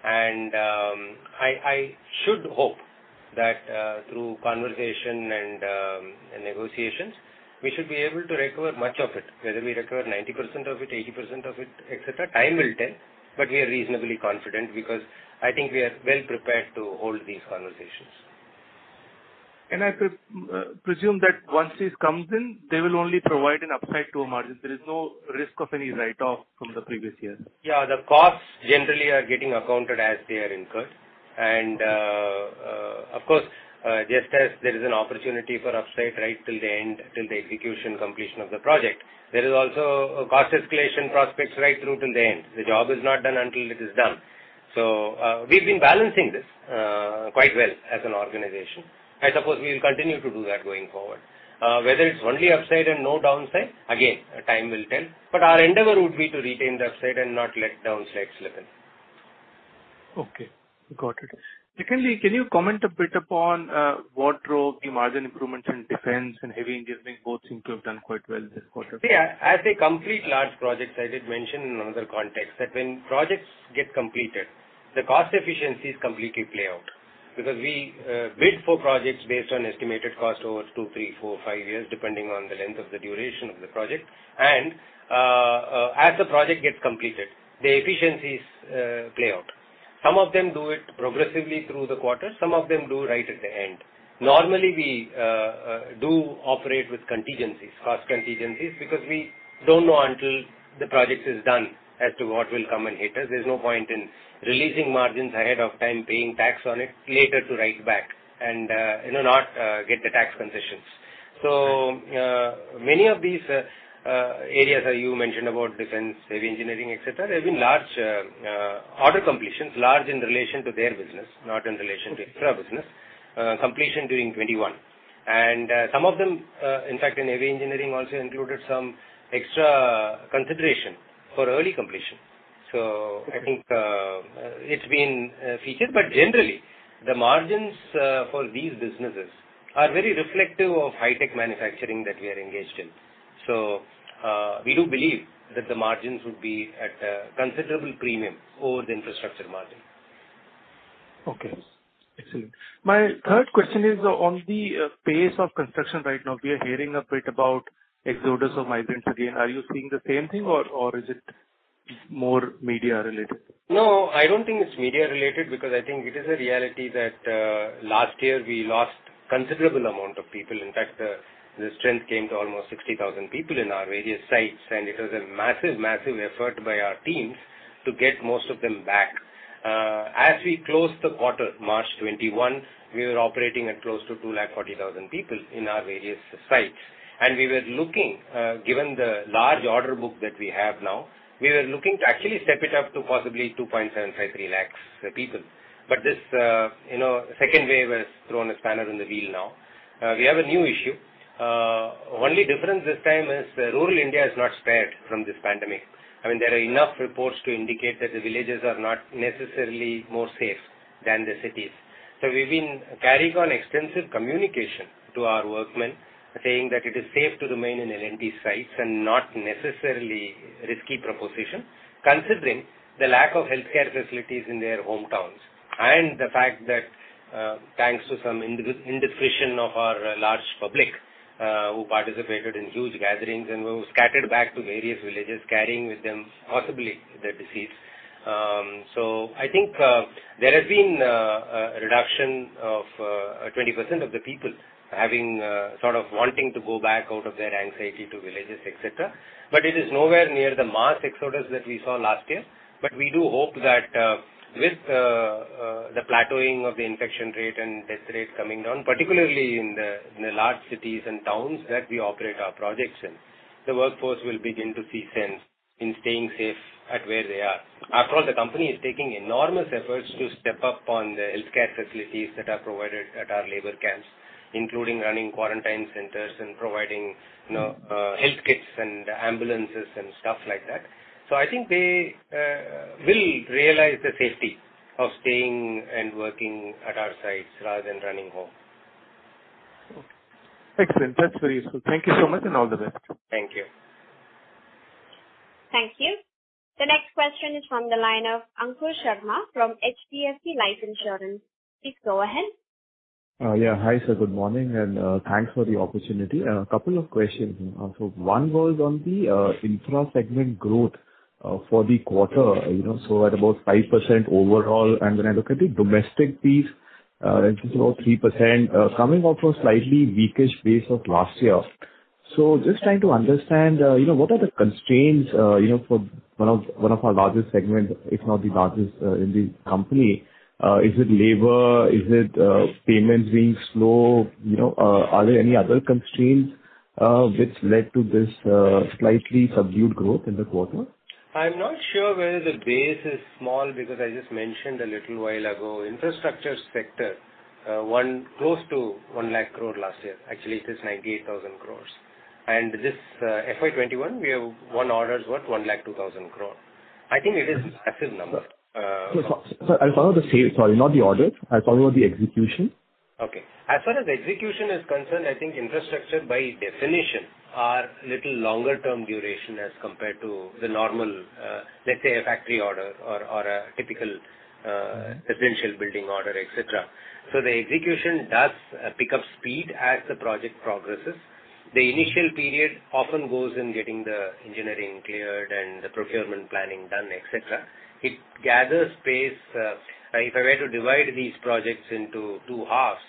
I should hope that through conversation and negotiations, we should be able to recover much of it. Whether we recover 90% of it, 80% of it, et cetera, time will tell. We are reasonably confident because I think we are well-prepared to hold these conversations. I could presume that once this comes in, they will only provide an upside to our margins. There is no risk of any write-off from the previous years. Yeah, the costs generally are getting accounted as they are incurred. Of course, just as there is an opportunity for upside right till the end, till the execution completion of the project, there is also cost escalation prospects right through till the end. The job is not done until it is done. We've been balancing this quite well as an organization. I suppose we will continue to do that going forward. Whether it's only upside and no downside, again, time will tell. Our endeavor would be to retain the upside and not let downsides slip in. Okay. Got it. Secondly, can you comment a bit upon what drove the margin improvements in defense and heavy engineering? Both seem to have done quite well this quarter. See, as they complete large projects, I did mention in another context that when projects get completed, the cost efficiencies completely play out. Because we bid for projects based on estimated cost over two, three, four, five years, depending on the length of the duration of the project. As the project gets completed, the efficiencies play out. Some of them do it progressively through the quarter. Some of them do right at the end. Normally, we do operate with cost contingencies because we don't know until the project is done as to what will come and hit us. There's no point in releasing margins ahead of time, paying tax on it, later to write back and not get the tax concessions. Many of these areas, as you mentioned about defense, heavy engineering, et cetera, have been large order completions, large in relation to their business, not in relation to extra business, completion during 2021. Some of them, in fact, in heavy engineering also included some extra consideration for early completion. I think it's been featured. Generally, the margins for these businesses are very reflective of high-tech manufacturing that we are engaged in. We do believe that the margins would be at a considerable premium over the infrastructure margin. Okay. Excellent. My third question is on the pace of construction right now. We are hearing a bit about exodus of migrants again. Are you seeing the same thing or is it more media related? I don't think it's media related because I think it is a reality that last year we lost a considerable amount of people. The strength came to almost 60,000 people in our various sites, and it was a massive effort by our teams to get most of them back. As we closed the quarter, March 2021, we were operating at close to 240,000 people in our various sites. Given the large order book that we have now, we were looking to actually step it up to possibly 2.75 million-3 million people. This second wave has thrown a spanner in the wheel now. We have a new issue. Only difference this time is rural India is not spared from this pandemic. There are enough reports to indicate that the villages are not necessarily safer than the cities. We've been carrying on extensive communication to our workmen, saying that it is safe to remain in L&T sites and not necessarily a risky proposition considering the lack of healthcare facilities in their hometowns and the fact that thanks to some indiscretion of our large public who participated in huge gatherings and who scattered back to various villages carrying with them possibly the disease. I think there has been a reduction of 20% of the people wanting to go back out of their anxiety to villages, et cetera. It is nowhere near the mass exodus that we saw last year. We do hope that with the plateauing of the infection rate and death rate coming down, particularly in the large cities and towns where we operate our projects in, the workforce will begin to see sense in staying safe at where they are. After all, the company is taking enormous efforts to step up on the healthcare facilities that are provided at our labor camps, including running quarantine centers and providing health kits and ambulances and stuff like that. I think they will realize the safety of staying and working at our sites rather than running home. Okay. Excellent. That's very useful. Thank you so much, and all the best. Thank you. Thank you. The next question is from the line of Ankur Sharma from HDFC Life Insurance. Please go ahead. Hi, sir. Good morning. Thanks for the opportunity. A couple of questions. One was on the infra segment growth for the quarter. We're at about 5% overall. I look at the domestic piece in terms of 3%, coming off a slightly weaker space of last year. Just trying to understand what are the constraints for one of our largest segment, if not the largest in the company. Is it labor? Is it payments being slow? Are there any other constraints which led to this slightly subdued growth in the quarter? I'm not sure whether the base is small because I just mentioned a little while ago, infrastructure sector, close to 1 lakh crore last year. Actually, it is 98,000 crore. This FY 2021, we have won orders worth 1 lakh 2,000 crore. I think it is absolute number. Sorry, not the orders. I follow the execution. Okay. As far as execution is concerned, I think infrastructure by definition are little longer-term duration as compared to the normal, let's say, a factory order or a typical potential building order, et cetera. The execution does pick up speed as the project progresses. The initial period often goes in getting the engineering cleared and the procurement planning done, et cetera. It gathers pace. If I were to divide these projects into two halves,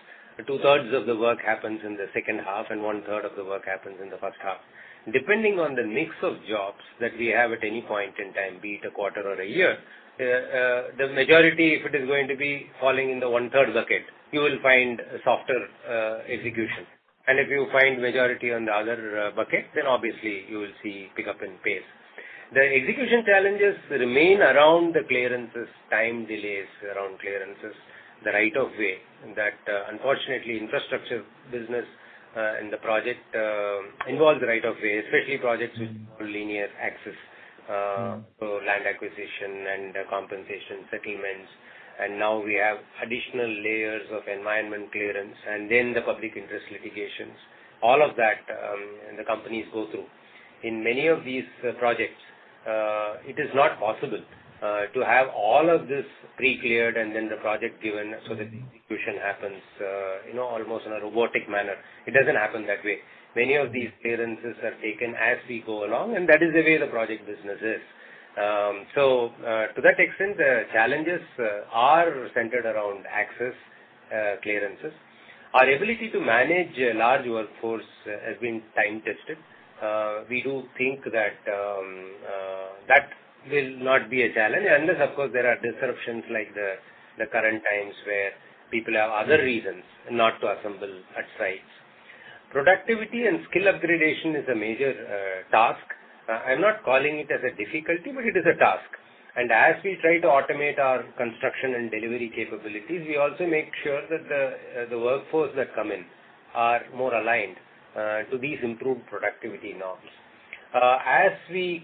two-thirds of the work happens in the second half and one-third of the work happens in the first half. Depending on the mix of jobs that we have at any point in time, be it a quarter or a year, the majority, if it is going to be falling in the one-third bucket, you will find softer execution. If you find majority on the other bucket, then obviously you will see pick up in pace. The execution challenges remain around the clearances, time delays around clearances, the right of way that unfortunately, infrastructure business in the project involve the right of way, especially projects which involve linear access, so land acquisition and compensation settlements. Now we have additional layers of environment clearance and then the public interest litigations. All of that the companies go through. In many of these projects, it is not possible to have all of this pre-cleared and then the project given so that the execution happens almost in a robotic manner. It doesn't happen that way. Many of these clearances are taken as we go along, and that is the way the project business is. To that extent, the challenges are centered around access clearances. Our ability to manage a large workforce has been time-tested. We do think that will not be a challenge unless, of course, there are disruptions like the current times where people have other reasons not to assemble at sites. Productivity and skill upgradation is a major task. I'm not calling it as a difficulty, but it is a task. As we try to automate our construction and delivery capabilities, we also make sure that the workforce that come in are more aligned to these improved productivity norms. Once you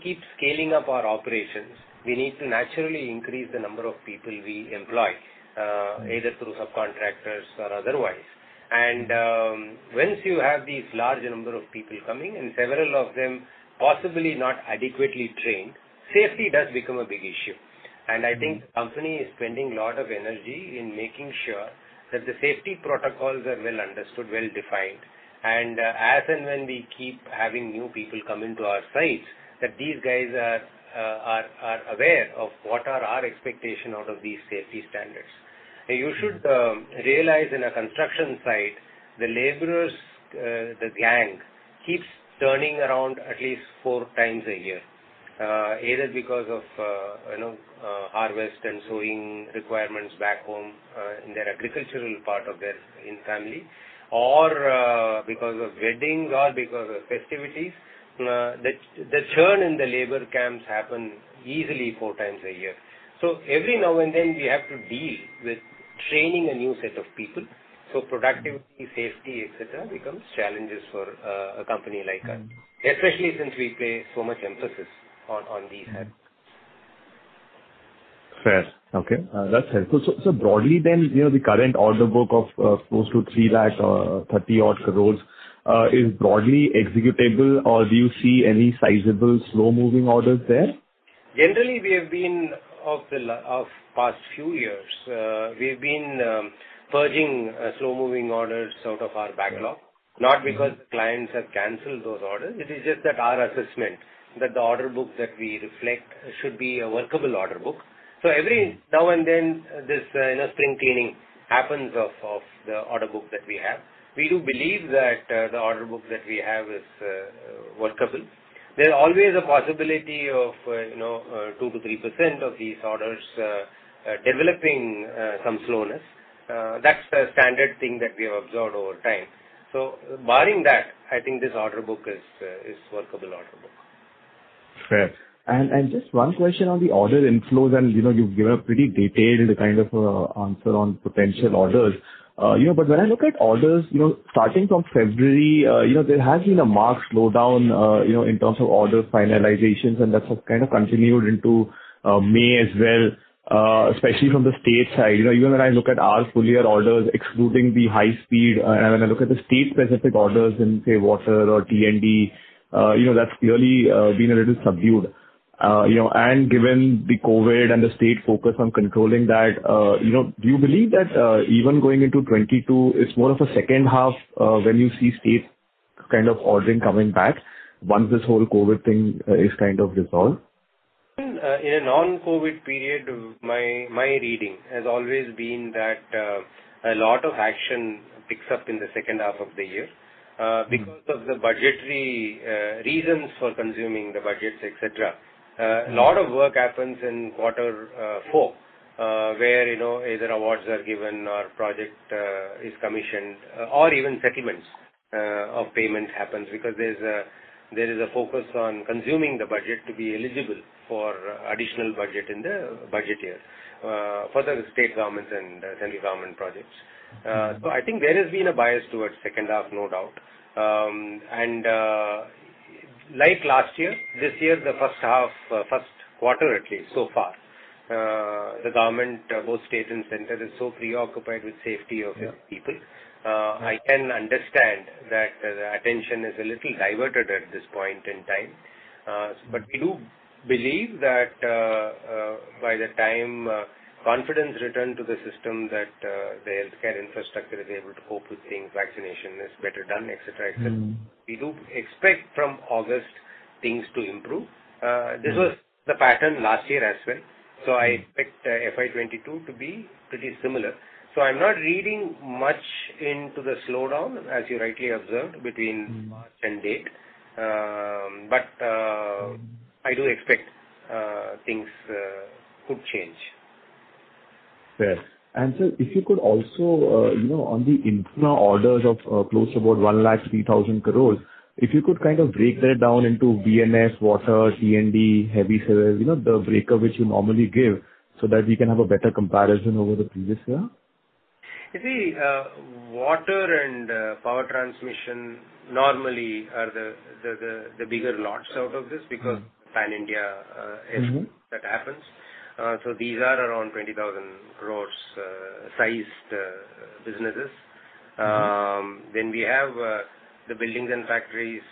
have these large number of people coming, and several of them possibly not adequately trained, safety does become a big issue. I think the company is spending a lot of energy in making sure that the safety protocols are well understood, well-defined. As and when we keep having new people come into our sites, that these guys are aware of what are our expectation out of these safety standards. You should realize in a construction site, the laborers, the gang, keeps turning around at least four times a year. Either because of harvest and sowing requirements back home in their agricultural part of their family, or because of weddings, or because of festivities. The churn in the labor camps happen easily four times a year. Every now and then we have to deal with training a new set of people, so productivity, safety, et cetera, becomes challenges for a company like us, especially since we place so much emphasis on these aspects. Fair. Okay. That's helpful. Broadly, the current order book of close to 3 lakh 30 odd crores is broadly executable, or do you see any sizable slow-moving orders there? Generally, of past few years, we've been purging slow-moving orders out of our backlog, not because clients have canceled those orders. It is just that our assessment that the order book that we reflect should be a workable order book. Every now and then, this spring cleaning happens of the order book that we have. We do believe that the order book that we have is workable. There's always a possibility of 2%-3% of these orders developing some slowness. That's the standard thing that we have observed over time. Barring that, I think this order book is workable order book. Fair. Just one question on the order inflows, and you've given a pretty detailed kind of answer on potential orders. When I look at orders, starting from February, there has been a marked slowdown in terms of order finalizations, and that has kind of continued into May as well, especially from the state side. Even when I look at our full year orders excluding the high speed, and when I look at the state specific orders in, say, water or PT&D, that's clearly been a little subdued. Given the COVID and the state focus on controlling that, do you believe that even going into 2022, it's more of a second half when you see state kind of ordering coming back once this whole COVID thing is kind of resolved? In a non-COVID period, my reading has always been that a lot of action picks up in the second half of the year because of the budgetary reasons for consuming the budgets, et cetera. A lot of work happens in quarter four, where either awards are given or project is commissioned or even settlements of payment happens because there's a focus on consuming the budget to be eligible for additional budget in the budget year for the state governments and central government projects. I think there has been a bias towards second half, no doubt. Like last year, this year, the first half, first quarter, at least so far, the government, both state and center, is so preoccupied with safety of its people. I can understand that the attention is a little diverted at this point in time. We do believe that by the time confidence returns to the system, that the healthcare infrastructure is able to cope with things, vaccination is better done, et cetera, we do expect from August things to improve. This was the pattern last year as well. I expect FY 2022 to be pretty similar. I'm not reading much into the slowdown, as you rightly observed between March and date. I do expect things could change. Fair. Sir, if you could also on the infra orders of close to about 1 lakh 3,000 crores, if you could kind of break that down into B&F, water, PT&D, heavy civil, the breakup which you normally give so that we can have a better comparison over the previous year. You see, water and power transmission normally are the bigger lots out of this because pan-India that happens. These are around 20,000 crores sized businesses. We have the buildings and factories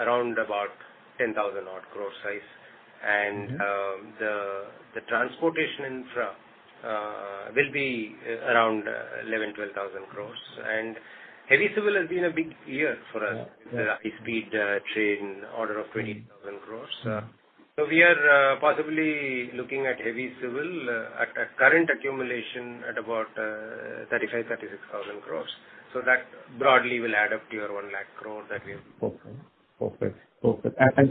around about 10,000 odd crore size. The transportation infra will be around 11,000-12,000 crores. Heavy civil has been a big year for us with the high-speed train order of 20,000 crores. We are possibly looking at heavy civil at a current accumulation at about 35,000-36,000 crores. That broadly will add up to your 1 lakh crore that we have. Perfect.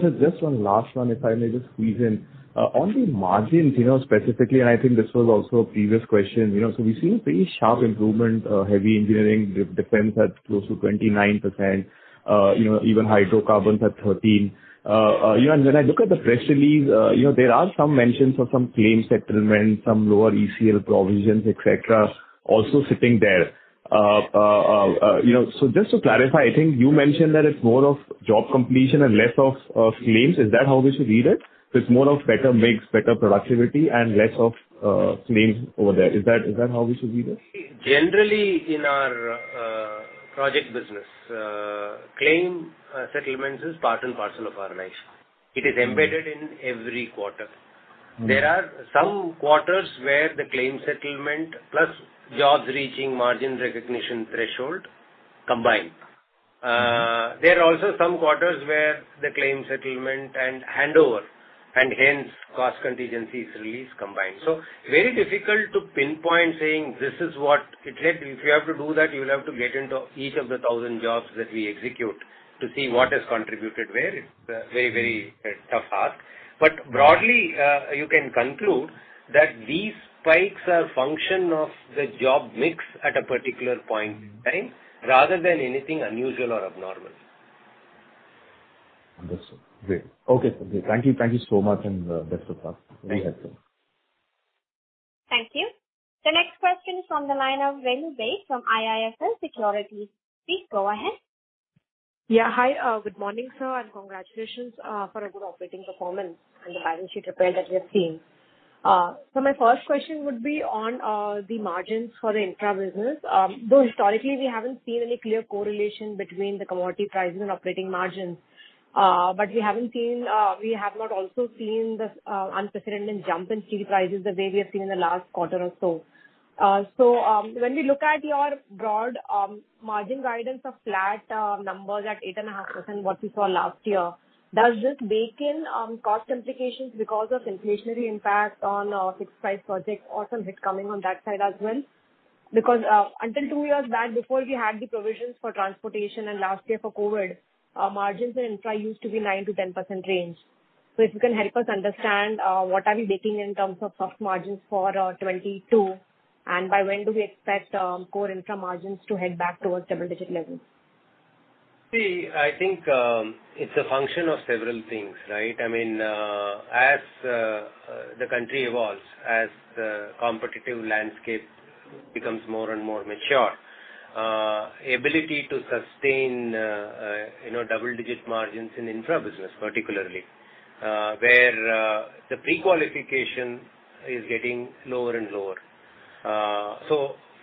Sir, just one last one, if I may just squeeze in. On the margins, specifically, I think this was also a previous question. We've seen a pretty sharp improvement. Heavy engineering, defense at close to 29%, even hydrocarbons at 13%. When I look at the press release, there are some mentions of some claims settlement, some lower ECL provisions, et cetera, also sitting there. Just to clarify, I think you mentioned that it's more of job completion and less of claims. Is that how we should read it? It's more of better mix, better productivity and less of claims over there. Is that how we should read it? Generally, in our project business. Claim settlements is part and parcel of our life. It is embedded in every quarter. There are some quarters where the claim settlement plus jobs reaching margin recognition threshold combine. There are also some quarters where the claim settlement and handover, and hence cost contingencies release combine. Very difficult to pinpoint saying this is what it hit. If you have to do that, you will have to get into each of the 1,000 jobs that we execute to see what has contributed where. It is a very tough ask. Broadly, you can conclude that these spikes are function of the job mix at a particular point in time, rather than anything unusual or abnormal. Understood. Great. Okay. Thank you so much, and best of luck. Very helpful. Thank you. The next question from the line of Ven Gare from IIFL Securities. Please go ahead. Hi, good morning, sir. Congratulations for a good operating performance and the balance sheet that we're seeing. My first question would be on the margins for your infra business. Though historically, we haven't seen any clear correlation between the commodity prices and operating margins. We have not also seen this unprecedented jump in steel prices the way we have seen in the last quarter or so. When we look at your broad margin guidance of flat numbers at 8.5% what we saw last year, does this bake in cost implications because of inflationary impact on fixed price projects or some risk coming on that side as well? Because until two years back, before we had the provisions for transportation and last year for COVID, margins in infra used to be 9%-10% range. If you can help us understand what are we baking in terms of tough margins for 2022, and by when do we expect core infra margins to head back towards double-digit levels? I think it's a function of several things, right? As the country evolves, as the competitive landscape becomes more and more mature, ability to sustain double-digit margins in infra business, particularly, where the pre-qualification is getting lower and lower.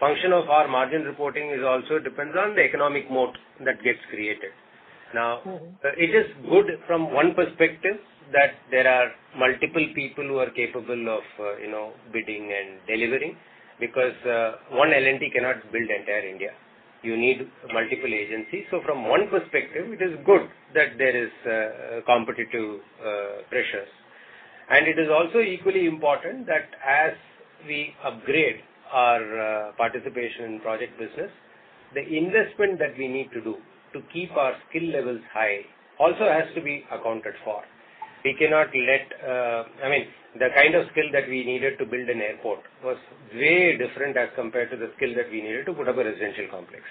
Function of our margin reporting is also dependent on the economic moat that gets created. It is good from one perspective that there are multiple people who are capable of bidding and delivering, because one L&T cannot build entire India. You need multiple agencies. From one perspective, it is good that there is competitive pressures. It is also equally important that as we upgrade our participation in project business, the investment that we need to do to keep our skill levels high also has to be accounted for. The kind of skill that we needed to build an airport was very different as compared to the skill that we needed to put up a residential complex.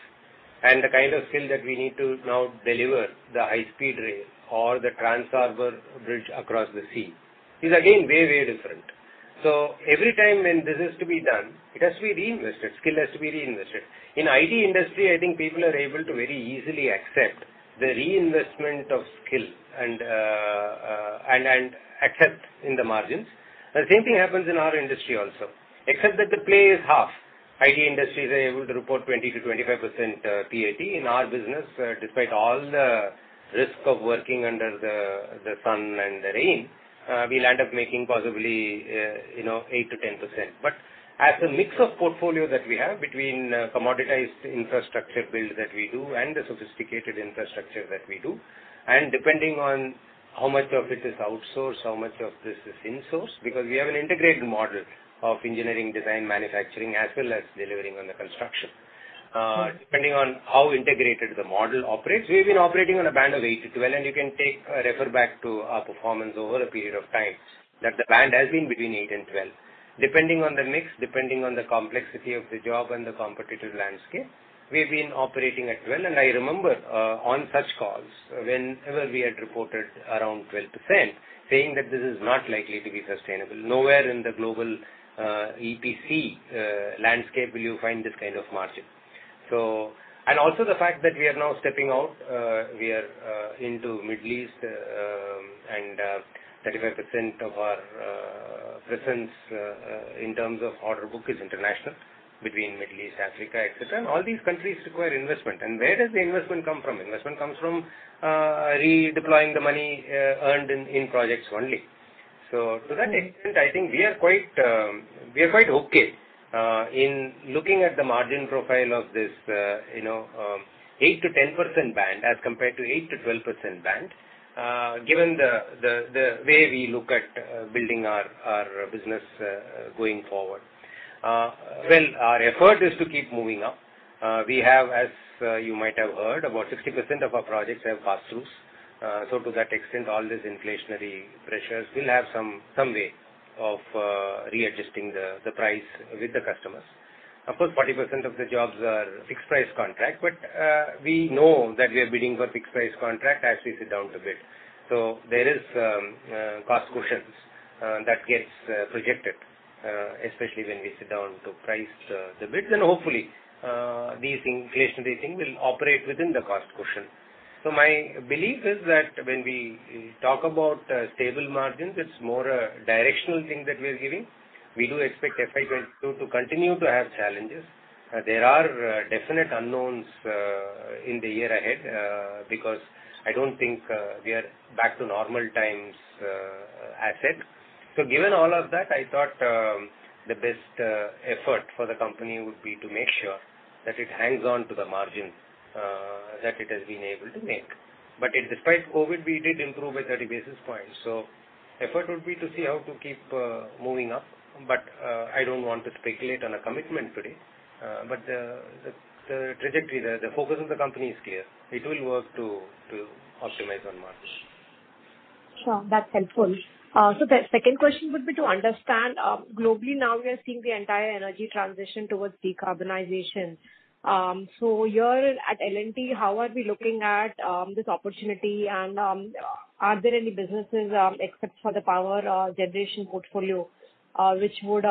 The kind of skill that we need to now deliver the high-speed rail or the trans-harbor bridge across the sea is again very different. Every time when business to be done, it has to be reinvested. Skill has to be reinvested. In IT industry, I think people are able to very easily accept the reinvestment of skill and accept in the margins. The same thing happens in our industry also, except that the play is half. IT industries are able to report 20%-25% PAT. In our business, despite all the risk of working under the sun and the rain, we land up making possibly 8%-10%. As a mix of portfolio that we have between commoditized infrastructure builds that we do and the sophisticated infrastructure that we do, depending on how much of this is outsourced, how much of this is insourced, because we have an integrated model of engineering, design, manufacturing, as well as delivering on the construction. Depending on how integrated the model operates, we've been operating on a band of 8%-12%, and you can refer back to our performance over a period of time, that the band has been between 8% and 12%. Depending on the mix, depending on the complexity of the job and the competitive landscape, we've been operating at 12%. I remember on such calls, whenever we had reported around 12%, saying that this is not likely to be sustainable. Nowhere in the global EPC landscape will you find this kind of margin. Also the fact that we are now stepping out, we are into Middle East, and 35% of our presence in terms of order book is international, between Middle East, Africa, et cetera, and all these countries require investment. Where does the investment come from? Investment comes from redeploying the money earned in projects only. To that extent, I think we are quite okay in looking at the margin profile of this 8%-10% band as compared to 8%-12% band, given the way we look at building our business going forward. Well, our effort is to keep moving up. We have, as you might have heard, about 60% of our projects have pass throughs. To that extent, all these inflationary pressures will have some way of readjusting the price with the customers. Of course, 40% of the jobs are fixed price contract, but we know that we are bidding for fixed price contract as we sit down to bid. There is cost cushions that gets projected, especially when we sit down to price the bid. Hopefully, these inflationary things will operate within the cost cushion. My belief is that when we talk about stable margins, it's more a directional thing that we are giving. We do expect FY 2022 to continue to have challenges. There are definite unknowns in the year ahead, because I don't think we are back to normal times assets. Given all of that, I thought the best effort for the company would be to make sure that it hangs on to the margin that it has been able to make. Despite COVID, we did improve by 30 basis points. Effort would be to see how to keep moving up. I don't want to speculate on a commitment today. The trajectory, the focus of the company is clear. It will work to optimize on margin. Sure. That's helpful. The second question would be to understand, globally now we are seeing the entire energy transition towards decarbonization. Here at L&T, how are we looking at this opportunity, and are there any businesses except for the power generation portfolio which would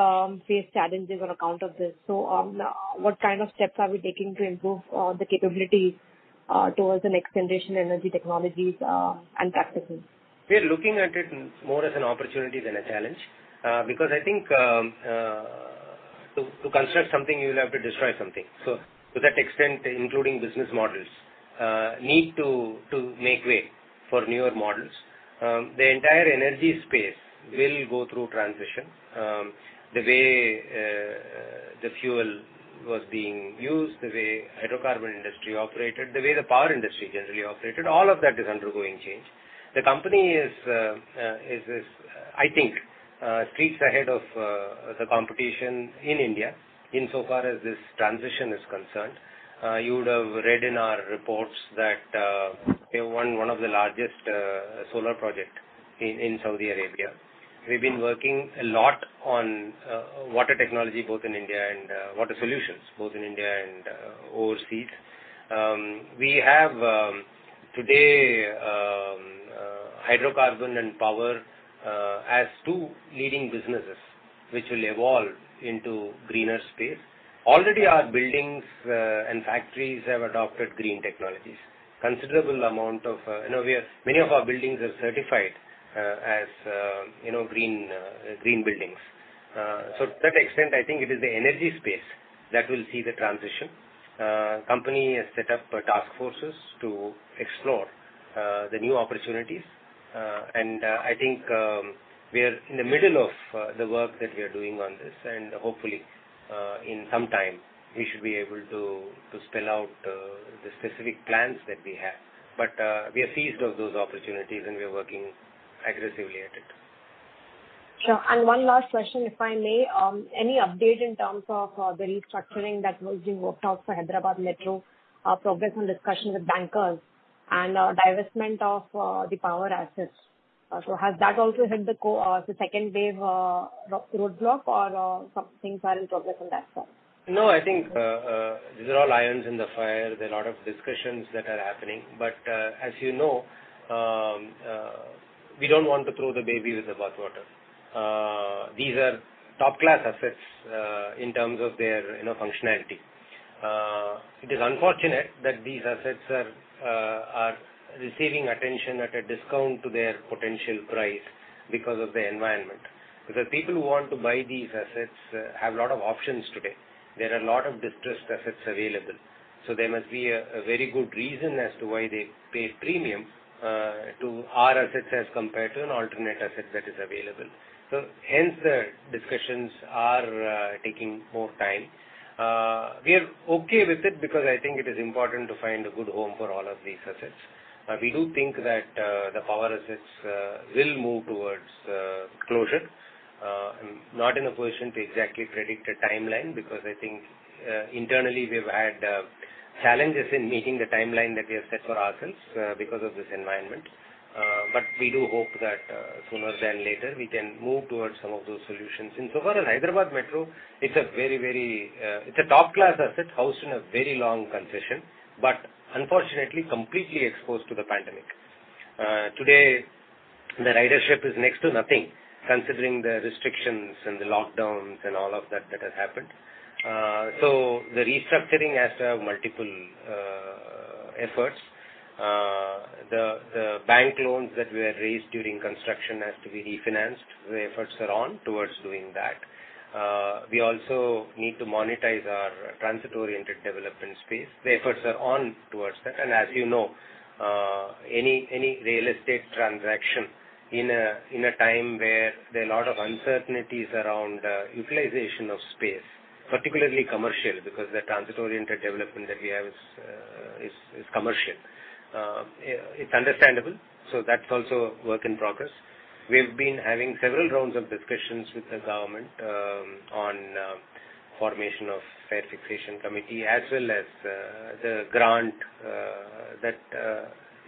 face challenges on account of this? What kind of steps are we taking to improve the capability towards the next generation energy technologies and practices? We're looking at it more as an opportunity than a challenge, because I think to construct something, you'll have to destroy something. To that extent, including business models need to make way for newer models. The entire energy space will go through transition. The way the fuel was being used, the way hydrocarbon industry operated, the way the power industry generally operated, all of that is undergoing change. The company is, I think, streets ahead of the competition in India insofar as this transition is concerned. You would have read in our reports that we won one of the largest solar project in Saudi Arabia. We've been working a lot on water technology, both in India, and water solutions, both in India and overseas. We have today, hydrocarbon and power as two leading businesses, which will evolve into greener space. Already our buildings and factories have adopted green technologies. Many of our buildings are certified as green buildings. To that extent, I think it is the energy space that will see the transition. Company has set up task forces to explore the new opportunities. I think we are in the middle of the work that we are doing on this, and hopefully, in some time, we should be able to spell out the specific plans that we have. We are seized of those opportunities, and we are working aggressively at it. Sure. One last question, if I may. Any update in terms of the restructuring that was being worked out for Hyderabad Metro progress on discussion with bankers and divestment of the power assets? Has that also hit the second wave roadblock or some things are in progress on that front? No, I think these are all irons in the fire. There are a lot of discussions that are happening, as you know, we don't want to throw the baby with the bath water. These are top-class assets, in terms of their functionality. It is unfortunate that these assets are receiving attention at a discount to their potential price because of the environment. Because the people who want to buy these assets have a lot of options today. There are a lot of distressed assets available, there must be a very good reason as to why they pay premium to our assets as compared to an alternate asset that is available. Hence the discussions are taking more time. We are okay with it because I think it is important to find a good home for all of these assets. We do think that the power assets will move towards closure. I'm not in a position to exactly predict a timeline because I think internally we've had challenges in meeting the timeline that we have set for ourselves because of this environment. We do hope that sooner than later, we can move towards some of those solutions. Insofar as Hyderabad Metro, it's a top-class asset housed in a very long concession, but unfortunately completely exposed to the pandemic. Today, the ridership is next to nothing considering the restrictions and the lockdowns and all of that that has happened. The restructuring has to have multiple efforts. The bank loans that were raised during construction has to be refinanced. The efforts are on towards doing that. We also need to monetize our transit-oriented development space. The efforts are on towards that. As you know, any real estate transaction in a time where there are a lot of uncertainties around utilization of space, particularly commercial, because the transit-oriented development that we have is commercial. It's understandable. That's also work in progress. We've been having several rounds of discussions with the government on formation of Fare Fixation Committee as well as the grant that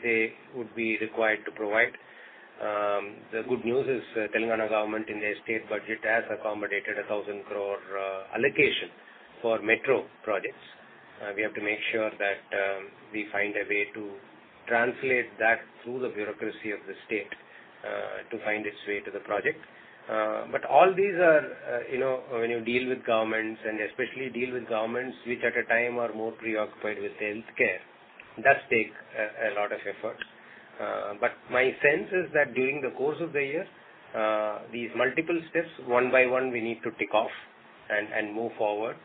they would be required to provide. The good news is Telangana government in their state budget has accommodated 1,000 crore allocation for metro projects. We have to make sure that we find a way to translate that through the bureaucracy of the state to find its way to the project. All these are when you deal with governments, and especially deal with governments which at a time are more preoccupied with healthcare, does take a lot of effort. My sense is that during the course of the year, these multiple steps, one by one, we need to tick off and move forward.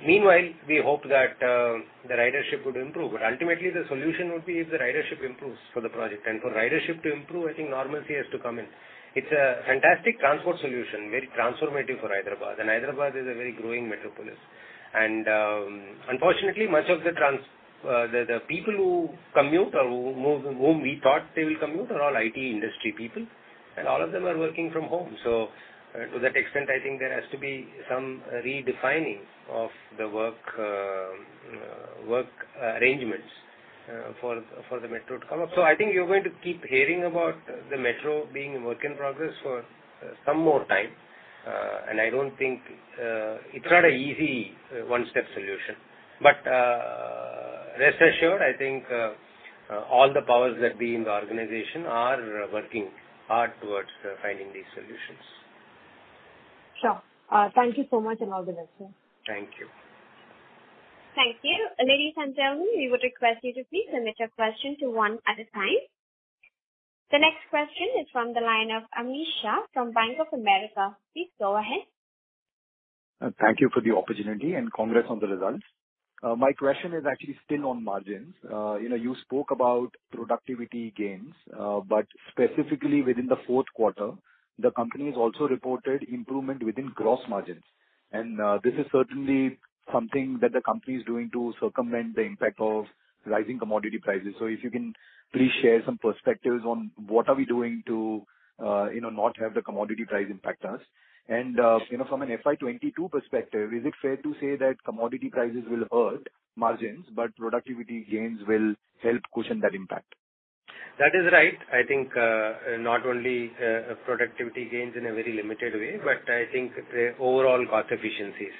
Meanwhile, we hope that the ridership would improve. Ultimately, the solution would be if the ridership improves for the project. For ridership to improve, I think normalcy has to come in. It's a fantastic transport solution, very transformative for Hyderabad. Hyderabad is a very growing metropolis. Unfortunately, much of the people who commute or whom we thought they will commute are all IT industry people, and all of them are working from home. To that extent, I think there has to be some redefining of the work arrangements for the metro to come up. I think you're going to keep hearing about the metro being a work in progress for some more time. I don't think it's not an easy one-step solution. Rest assured, I think all the powers that be in the organization are working hard towards finding these solutions. Sure. Thank you so much and all the best, sir. Thank you. Thank you. Ladies and gentlemen, we would request you to please limit your question to one at a time. The next question is from the line of Amish Shah from Bank of America. Please go ahead. Thank you for the opportunity. Congrats on the results. My question is actually still on margins. You spoke about productivity gains, but specifically within the fourth quarter, the company has also reported improvement within gross margins. This is certainly something that the company is doing to circumvent the impact of rising commodity prices. If you can please share some perspectives on what are we doing to not have the commodity price impact us. From an FY 2022 perspective, is it fair to say that commodity prices will hurt margins, but productivity gains will help cushion that impact? That is right. I think not only productivity gains in a very limited way, but I think the overall cost efficiencies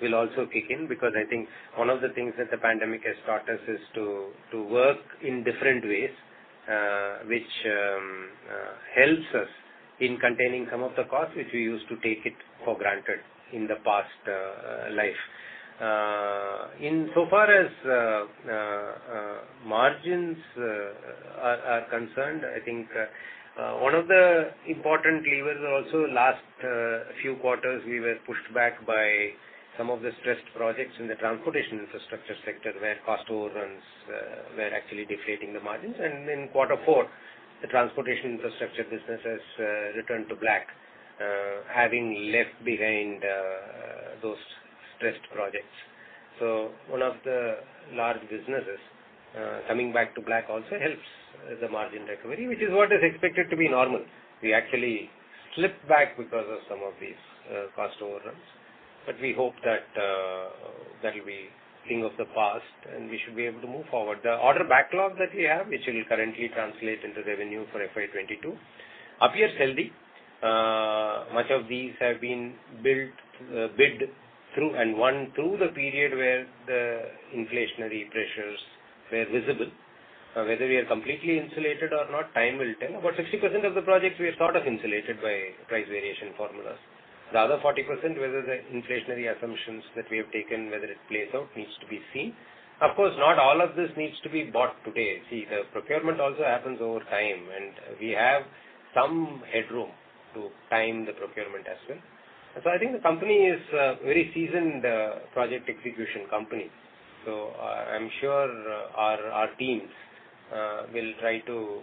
will also kick in because I think one of the things that the pandemic has taught us is to work in different ways, which helps us in containing some of the costs which we used to take for granted in the past life. Insofar as margins are concerned, I think one of the important levers also, last few quarters, we were pushed back by some of the stressed projects in the transportation infrastructure sector where cost overruns were actually deflating the margins. In quarter four, the transportation infrastructure business has returned to black, having left behind those stressed projects. So one of the large businesses coming back to black also helps the margin recovery, which is what is expected to be normal. We actually slipped back because of some of these cost overruns, but we hope that that'll be thing of the past and we should be able to move forward. The order backlog that we have, which will currently translate into revenue for FY 2022, appears healthy. Much of these have been bid through and won through the period where the inflationary pressures were visible. Whether we are completely insulated or not, time will tell. About 60% of the project we have thought of insulated by price variation formulas. The other 40%, whether the inflationary assumptions that we have taken, whether it plays out, needs to be seen. Of course, not all of this needs to be bought today. See, the procurement also happens over time, and we have some headroom to time the procurement as well. I think the company is a very seasoned project execution company. I'm sure our teams will try to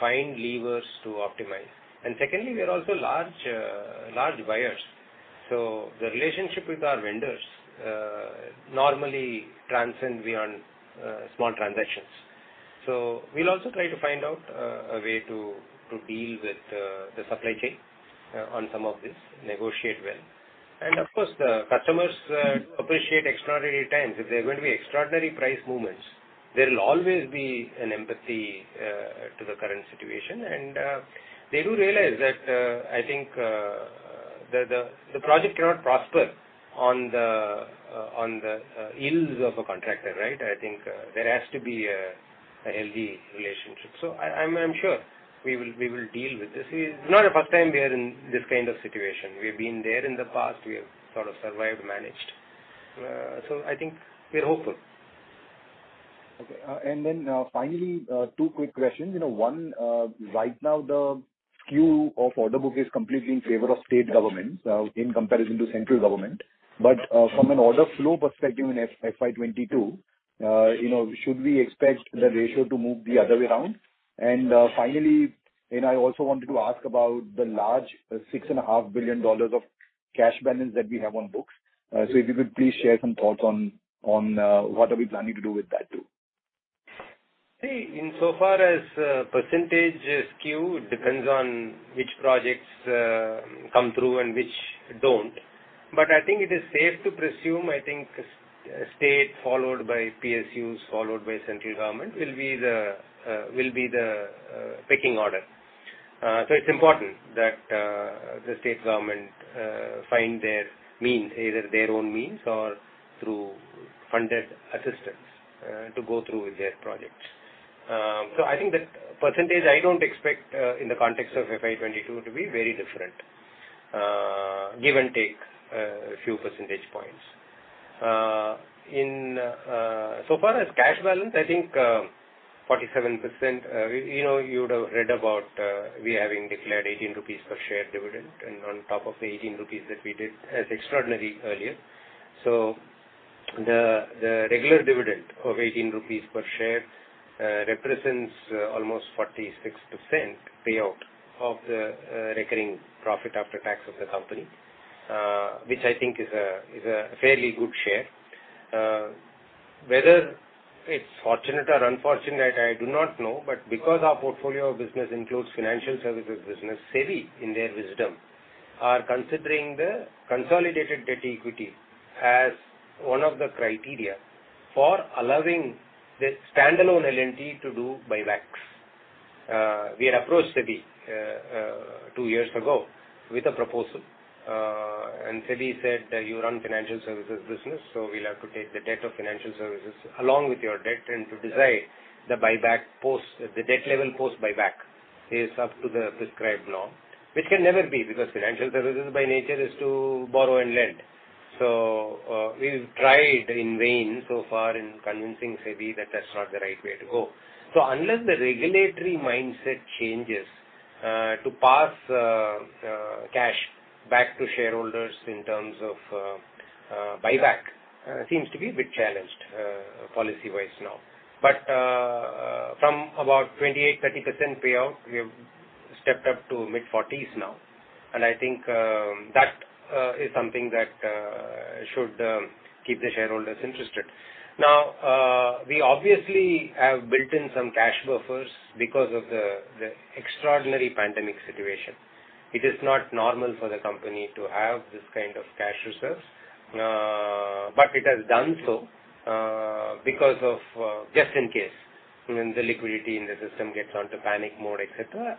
find levers to optimize. Secondly, we are also large buyers. The relationship with our vendors normally transcends beyond small transactions. We'll also try to find out a way to deal with the supply chain on some of this, negotiate well. Of course, the customers appreciate extraordinary times. If there are going to be extraordinary price movements, there'll always be an empathy to the current situation. They do realize that I think the project cannot prosper on the ills of a contractor. I think there has to be a healthy relationship. I'm sure we will deal with this. It's not the first time we are in this kind of situation. We've been there in the past, we have sort of survived, managed. I think we are hopeful. Okay. Finally, two quick questions. One, right now the skew of order book is completely in favor of state government in comparison to central government. From an order flow perspective in FY 2022, should we expect the ratio to move the other way around? Finally, I also wanted to ask about the large $6.5 billion of cash balance that we have on books. If you could please share some thoughts on what are we planning to do with that too. Insofar as percentage skew, it depends on which projects come through and which don't. I think it is safe to presume, I think state followed by PSUs, followed by central government will be the pecking order. It's important that the state government find their means, either their own means or through funded assistance to go through with their projects. I think that percentage I don't expect in the context of FY 2022 to be very different, give and take a few percentage points. Far as cash balance, I think 47%, you would have read about we having declared 18 rupees per share dividend and on top of the 18 rupees that we did as extraordinary earlier. The regular dividend of 18 rupees per share represents almost 46% payout of the recurring profit after tax of the company, which I think is a very good share. Whether it's fortunate or unfortunate, I do not know, because our portfolio of business includes financial services business, SEBI, in their wisdom, are considering the consolidated debt equity as one of the criteria for allowing the standalone L&T to do buybacks. We approached SEBI two years ago with a proposal. SEBI said that you run financial services business, we'll have to take the debt of financial services along with your debt and to decide the debt level post buyback is up to the prescribed norm. Which can never be, because financial services by nature is to borrow and lend. We've tried in vain so far in convincing SEBI that that's not the right way to go. Unless the regulatory mindset changes to pass cash back to shareholders in terms of buyback, seems to be a bit challenged policy-wise now. From about 28%, 30% payout, we have stepped up to mid-40%s now. I think that is something that should keep the shareholders interested. We obviously have built in some cash buffers because of the extraordinary pandemic situation. It is not normal for the company to have this kind of cash reserves, but it has done so because of just in case when the liquidity in the system gets onto panic mode, et cetera.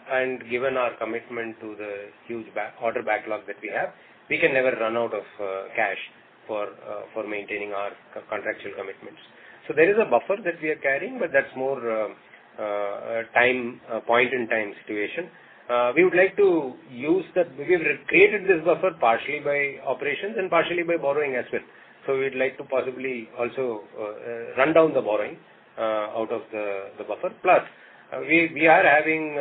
Given our commitment to the huge order backlog that we have, we can never run out of cash for maintaining our contractual commitments. There is a buffer that we are carrying, but that's more a point in time situation. We would like to use that because we've created this buffer partially by operations and partially by borrowing as well. We'd like to possibly also run down the borrowing out of the buffer. Plus, we are having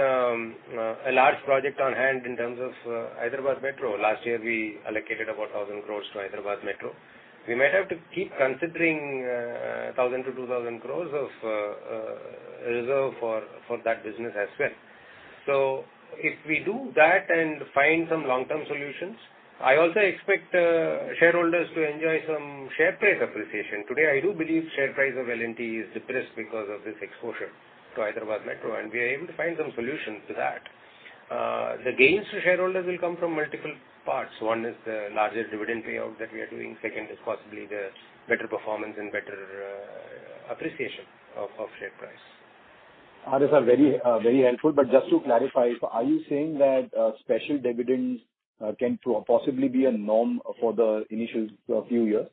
a large project on hand in terms of Hyderabad Metro. Last year, we allocated about 1,000 crores to Hyderabad Metro. We might have to keep considering 1,000 crores- 2,000 crores of reserve for that business as well. If we do that and find some long-term solutions, I also expect shareholders to enjoy some share price appreciation. Today, I do believe share price of L&T is depressed because of this exposure to Hyderabad Metro, and we are able to find some solutions to that. The gains to shareholders will come from multiple parts. One is the largest dividend payout that we are doing. Second is possibly the better performance and better appreciation of share price. Aditya, very helpful. Just to clarify, are you saying that special dividends can possibly be a norm for the initial few years?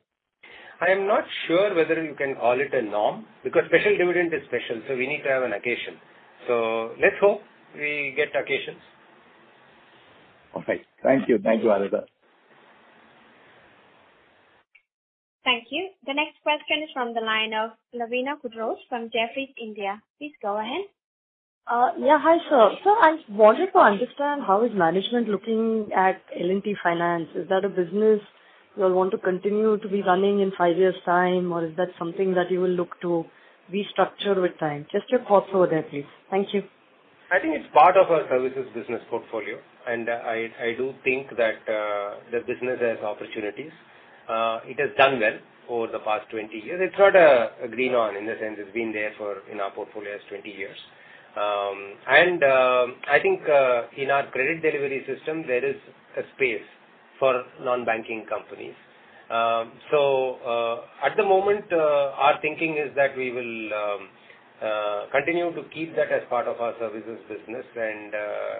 I'm not sure whether we can call it a norm, because special dividend is special, so we need to have an occasion. Let's hope we get occasions. Perfect. Thank you. Thank you, Aditya. Thank you. The next question is from the line of Lavina Quadros from Jefferies India. Please go ahead. Yeah. Hi, sir. Sir, I wanted to understand how is management looking at L&T Finance. Is that a business you want to continue to be running in five years' time, or is that something that you will look to restructure with time? Just your thoughts over there, please. Thank you. I think it's part of our services business portfolio, and I do think that the business has opportunities. It has done well over the past 20 years. It's not a greenhorn in the sense it's been there in our portfolios 20 years. I think in our credit delivery system, there is a space for non-banking companies. At the moment, our thinking is that we will continue to keep that as part of our services business and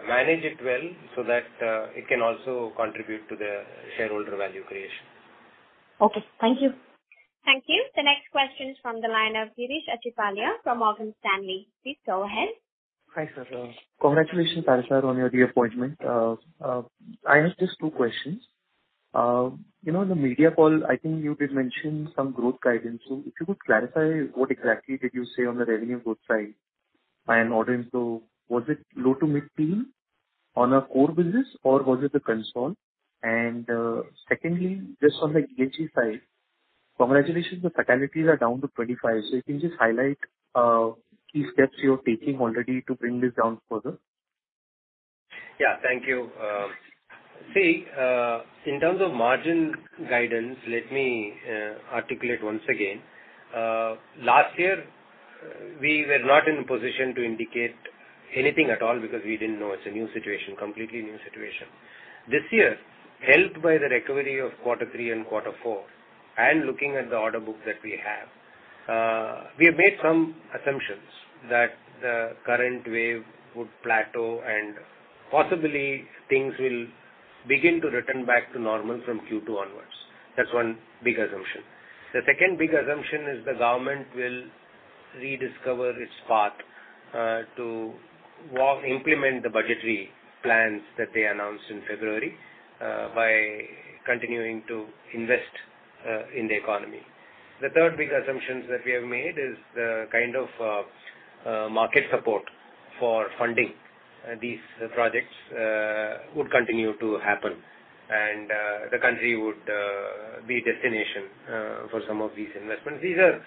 manage it well so that it can also contribute to the shareholder value creation. Okay. Thank you. Thank you. The next question is from the line of Girish Achhipalia from Morgan Stanley. Please go ahead. Hi, sir. Congratulations, [inaudible] on your reappointment. I have just two questions. In the media call, I think you did mention some growth guidance. If you could clarify what exactly did you say on the revenue growth side by an order? Was it low to mid-teen on our core business or was it the consolidated? Secondly, just on the ESG side, congratulations, the fatalities are down to 25. Can you just highlight key steps you're taking already to bring this down further? Yeah, thank you. See, in terms of margin guidance, let me articulate once again. Last year, we were not in a position to indicate anything at all because we didn't know. It's a new situation, completely new situation. This year, helped by the recovery of quarter three and quarter four, and looking at the order book that we have, we have made some assumptions that the current wave would plateau and possibly things will begin to return back to normal from Q2 onwards. That's one big assumption. The second big assumption is the government will rediscover its path to implement the budgetary plans that they announced in February by continuing to invest in the economy. The third big assumption that we have made is the kind of market support for funding these projects would continue to happen, and the country would be a destination for some of these investments. These are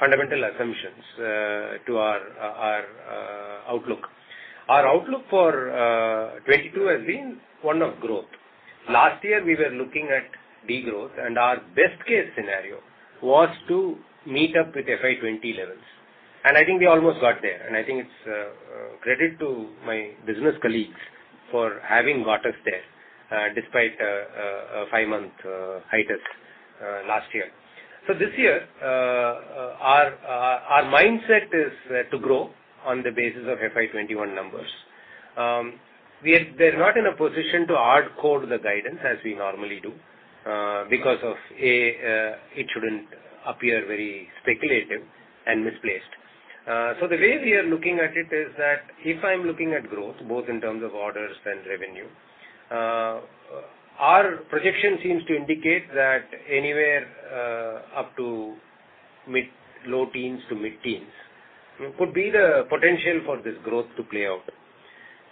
fundamental assumptions to our outlook. Our outlook for 2022 has been one of growth. Last year, we were looking at de-growth, and our best-case scenario was to meet up with FY 2020 levels. I think we almost got there, and I think it's a credit to my business colleagues for having got us there despite a five-month hiatus last year. This year, our mindset is to grow on the basis of FY 2021 numbers. We're not in a position to hard code the guidance as we normally do because it shouldn't appear very speculative and misplaced. The way we are looking at it is that if I'm looking at growth, both in terms of orders and revenue, our projection seems to indicate that anywhere up to low teens to mid-teens could be the potential for this growth to play out.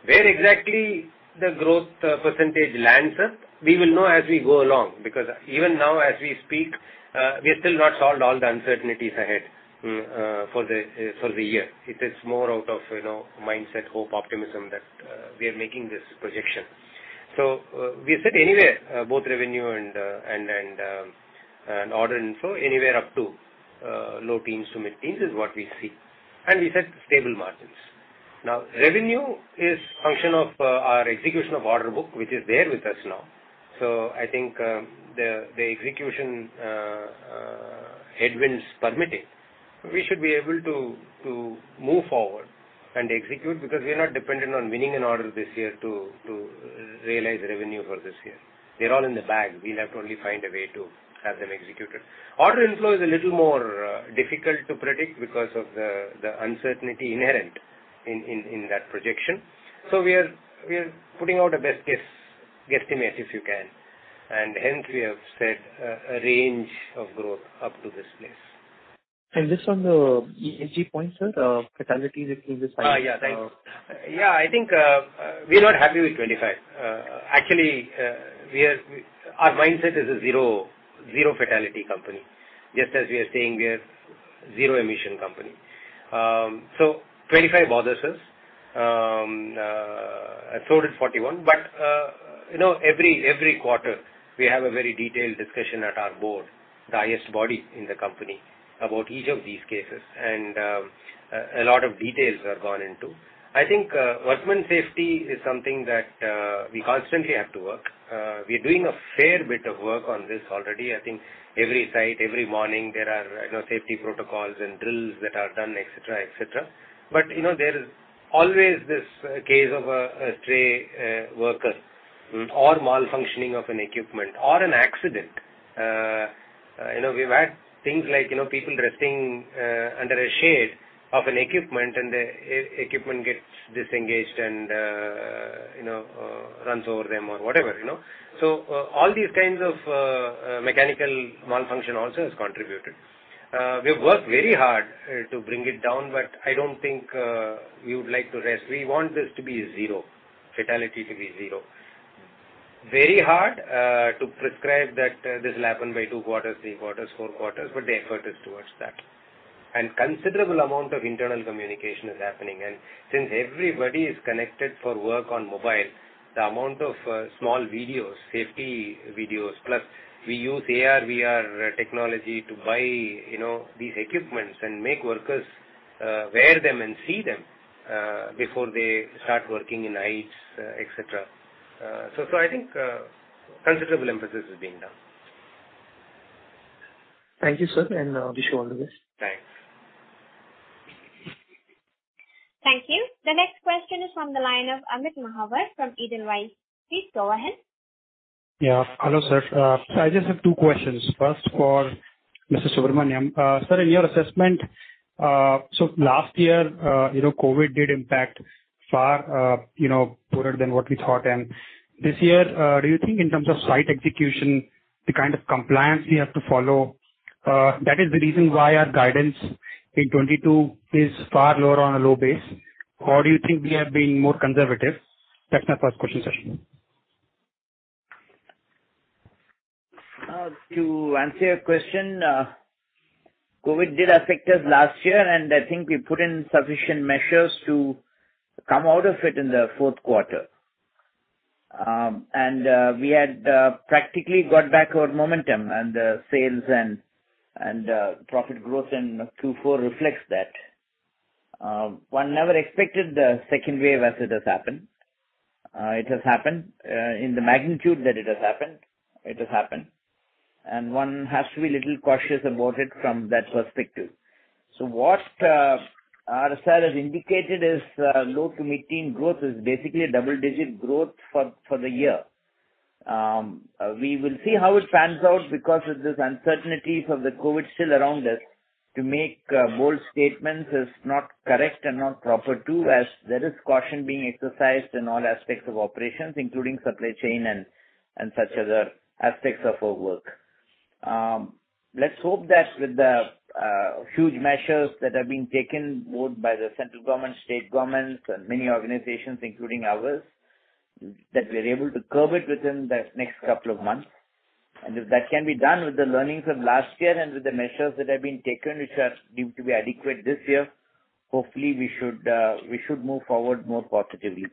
Where exactly the growth percentage lands us, we will know as we go along, because even now as we speak, we have still not solved all the uncertainties ahead for the year. It is more out of mindset, hope, optimism that we are making this projection. We said anywhere, both revenue and order inflow, anywhere up to low teens to mid-teens is what we see. We said stable margins. Revenue is a function of our execution of order book, which is there with us now. I think the execution headwinds permitting, we should be able to move forward and execute because we're not dependent on winning an order this year to realize revenue for this year. They're all in the bag. We have to only find a way to have them executed. Order inflow is a little more difficult to predict because of the uncertainty inherent in that projection. We are putting out a best guess estimate, if you can, and hence we have said a range of growth up to this place. Just on the ESG point, sir, fatality that you just mentioned. Yeah, thanks. I think we're not happy with 25. Actually, our mindset is a zero fatality company. Just as we are saying a zero-emission company. 25 bothers us. So did 41. Every quarter, we have a very detailed discussion at our board, the highest body in the company, about each of these cases. A lot of details are gone into. I think workman safety is something that we constantly have to work. We are doing a fair bit of work on this already. I think every site, every morning, there are safety protocols and drills that are done, et cetera. There is always this case of a stray worker or malfunctioning of an equipment or an accident. We've had things like people resting under a shade of an equipment, and the equipment gets disengaged and runs over them or whatever. All these kinds of mechanical malfunction also has contributed. We've worked very hard to bring it down, I don't think we would like to rest. We want this to be zero, fatality to be zero. Very hard to prescribe that this will happen by two quarters, three quarters, four quarters, the effort is towards that. Considerable amount of internal communication is happening. Since everybody is connected for work on mobile, the amount of small videos, safety videos, plus we use AR/VR technology to buy these equipments and make workers wear them and see them before they start working in heights, et cetera. I think considerable emphasis is being done. Thank you, sir. Wish you all the best. Thanks. Thank you. The next question is on the line of Amit Mahawar from Edelweiss. Please go ahead. Hello, sir. I just have two questions. First for Mr. Subrahmanyan. Sir, in your assessment, last year, COVID did impact far poorer than what we thought. This year, do you think in terms of site execution, the kind of compliance we have to follow, that is the reason why our guidance in 2022 is far lower on a low base? Do you think we are being more conservative? That's my first question. To answer your question, COVID did affect us last year, and I think we put in sufficient measures to come out of it in the fourth quarter. We had practically got back our momentum and sales and profit growth, and Q4 reflects that. One never expected the second wave as it has happened. It has happened. In the magnitude that it has happened, it has happened. One has to be a little cautious about it from that perspective. What RSR has indicated is low to mid-teen growth is basically a double-digit growth for the year. We will see how it pans out because of this uncertainty from the COVID still around us. To make bold statements is not correct and not proper too, as there is caution being exercised in all aspects of operations, including supply chain and such other aspects of our work. Let's hope that with the huge measures that have been taken, both by the central government, state governments, and many organizations, including ours, that we are able to curb it within the next couple of months. If that can be done with the learnings of last year and with the measures that have been taken, which are deemed to be adequate this year, hopefully, we should move forward more positively.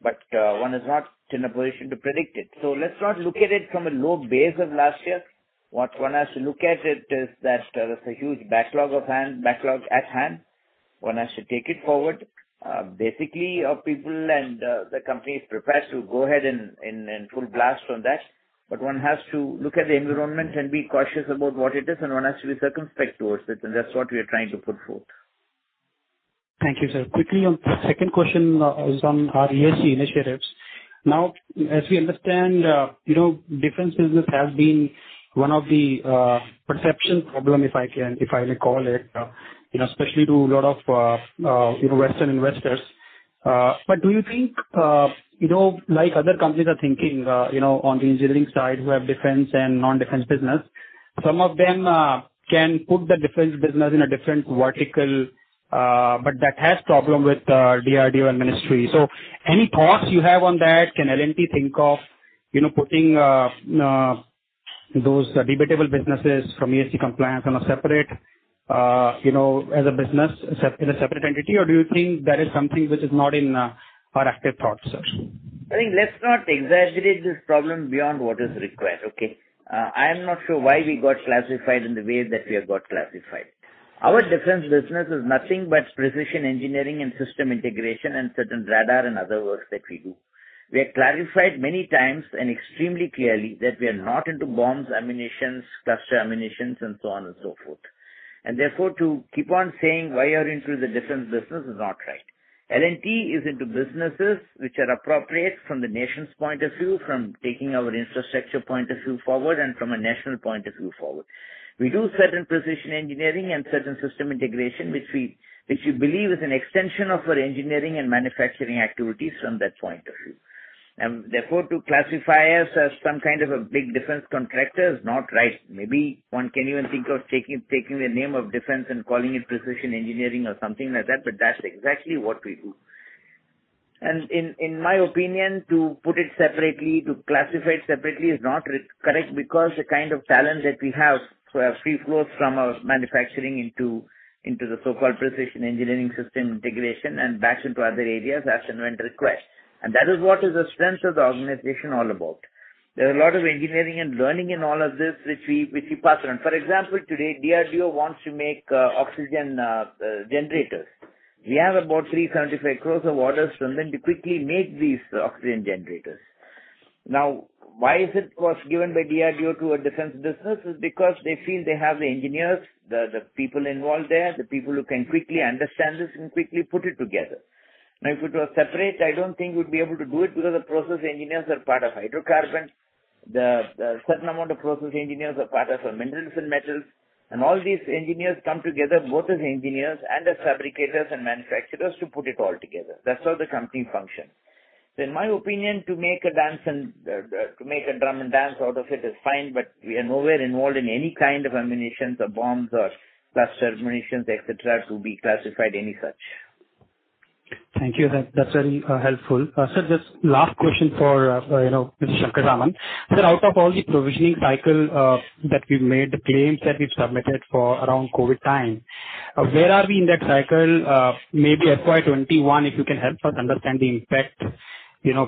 One is not in a position to predict it. Let's not look at it from a low base of last year. What one has to look at it is that there's a huge backlog at hand. One has to take it forward. Basically, our people and the company is prepared to go ahead in full blast on that, but one has to look at the environment and be cautious about what it is, and one has to be circumspect towards it, and that's what we are trying to put forth. Thank you, sir. Quickly, on the second question on our ESG initiatives. As we understand, defense business has been one of the perception problem, if I recall it, especially to a lot of Western investors. Do you think, like other companies are thinking, on the engineering side, who have defense and non-defense business, some of them can put the defense business in a different vertical, but that has problem with DRDO and Ministry. Any thoughts you have on that? Can L&T think of putting those debatable businesses from ESG compliance in a separate entity, or do you think that is something which is not in our active thought search? I think let's not exaggerate this problem beyond what is required, okay? I'm not sure why we got classified in the way that we have got classified. Our defense business is nothing but precision engineering and system integration and certain radar and other works that we do. We have clarified many times and extremely clearly that we are not into bombs, ammunitions, cluster ammunitions, and so on and so forth. Therefore, to keep on saying why you are into the defense business is not right. L&T is into businesses which are appropriate from the nation's point of view, from taking our infrastructure point of view forward, and from a national point of view forward. We do certain precision engineering and certain system integration, which we believe is an extension of our engineering and manufacturing activities from that point of view. Therefore, to classify us as some kind of a big defense contractor is not right. Maybe one can even think of taking the name of defense and calling it precision engineering or something like that, but that's exactly what we do. In my opinion, to put it separately, to classify it separately is not correct because the kind of talent that we have free flows from our manufacturing into the so-called precision engineering system integration and back into other areas as and when required. That is what is the strength of the organization all about. There are a lot of engineering and learning in all of this which we pattern. For example, today, DRDO wants to make oxygen generators. We have about 307 crore of orders from them to quickly make these oxygen generators. Why is it was given by DRDO to a defense business is because they feel they have the engineers, the people involved there, the people who can quickly understand this and quickly put it together. If it was separate, I don't think we'd be able to do it because the process engineers are part of hydrocarbons. A certain amount of process engineers are part of our minerals and metals. All these engineers come together both as engineers and as fabricators and manufacturers to put it all together. That's how the company functions. In my opinion, to make a drum and dance out of it is fine, but we are nowhere involved in any kind of ammunitions or bombs or cluster ammunitions, et cetera, to be classified any such. Thank you. That's very helpful. Sir, just last question for Mr. Shankar Raman. Sir, out of all the provisioning cycle that we made, the claims that we've submitted for around COVID time, where are we in that cycle, maybe FY 2021, if you can help us understand the impact,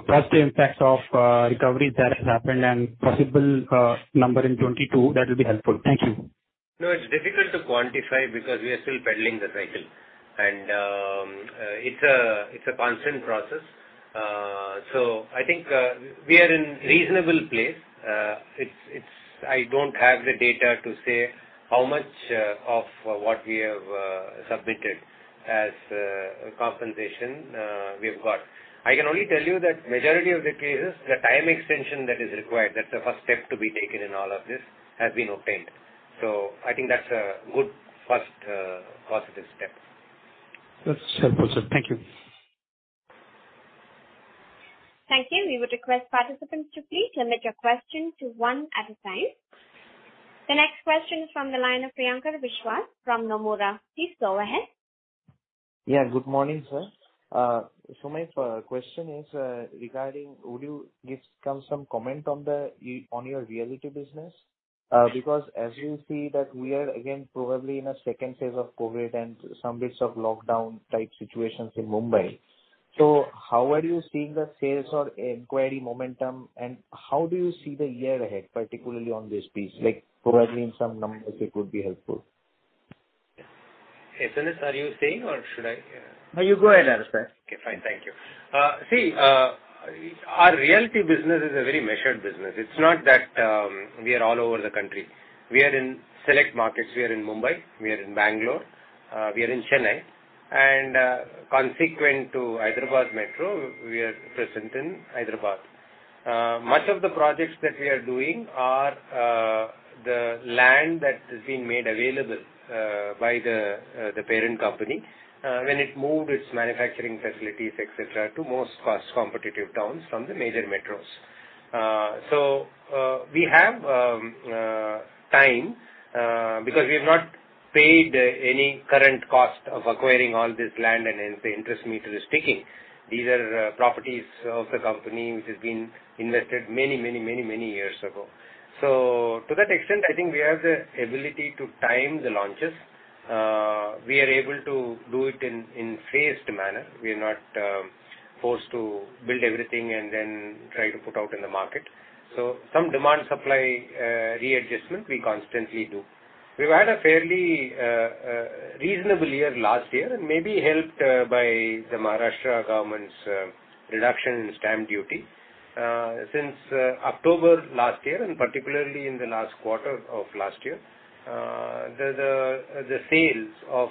plus the impact of recovery that has happened and possible number in 2022, that'll be helpful. Thank you. It's difficult to quantify because we are still peddling the cycle. It's a constant process. I think we are in reasonable place. I don't have the data to say how much of what we have submitted as compensation we've got. I can only tell you that majority of the cases, the time extension that is required, that's the first step to be taken in all of this, has been obtained. I think that's a good first positive step. That's helpful, sir. Thank you. Thank you. We would request participants to please limit your question to one at a time. The next question from the line of Priyankar Biswas from Nomura. Please go ahead. Yeah, good morning, sir. So my first question is regarding would you give some comment on your realty business? Because as you see that we are again probably in a second phase of COVID and some bits of lockdown type situations in Mumbai. How are you seeing the sales or inquiry momentum, and how do you see the year ahead, particularly on this piece? Like providing some numbers, it would be helpful. Yes, sir. Are you saying or should I? No, you go ahead, sir. Okay, fine. Thank you. Our realty business is a very measured business. It's not that we are all over the country. We are in select markets. We are in Mumbai, we are in Bangalore, we are in Chennai, and consequent to Hyderabad Metro, we are present in Hyderabad. Much of the projects that we are doing are the land that has been made available by the parent company when it moved its manufacturing facilities, et cetera, to more cost-competitive towns from the major metros. We have time because we've not paid any current cost of acquiring all this land and interest meter speaking. These are properties of the company which have been invested many years ago. To that extent, I think we have the ability to time the launches. We are able to do it in phased manner. We're not forced to build everything and then try to put out in the market. Some demand-supply readjustment we constantly do. We've had a fairly reasonable year last year, maybe helped by the Maharashtra government's reduction in stamp duty. Since October last year, and particularly in the last quarter of last year, the sales of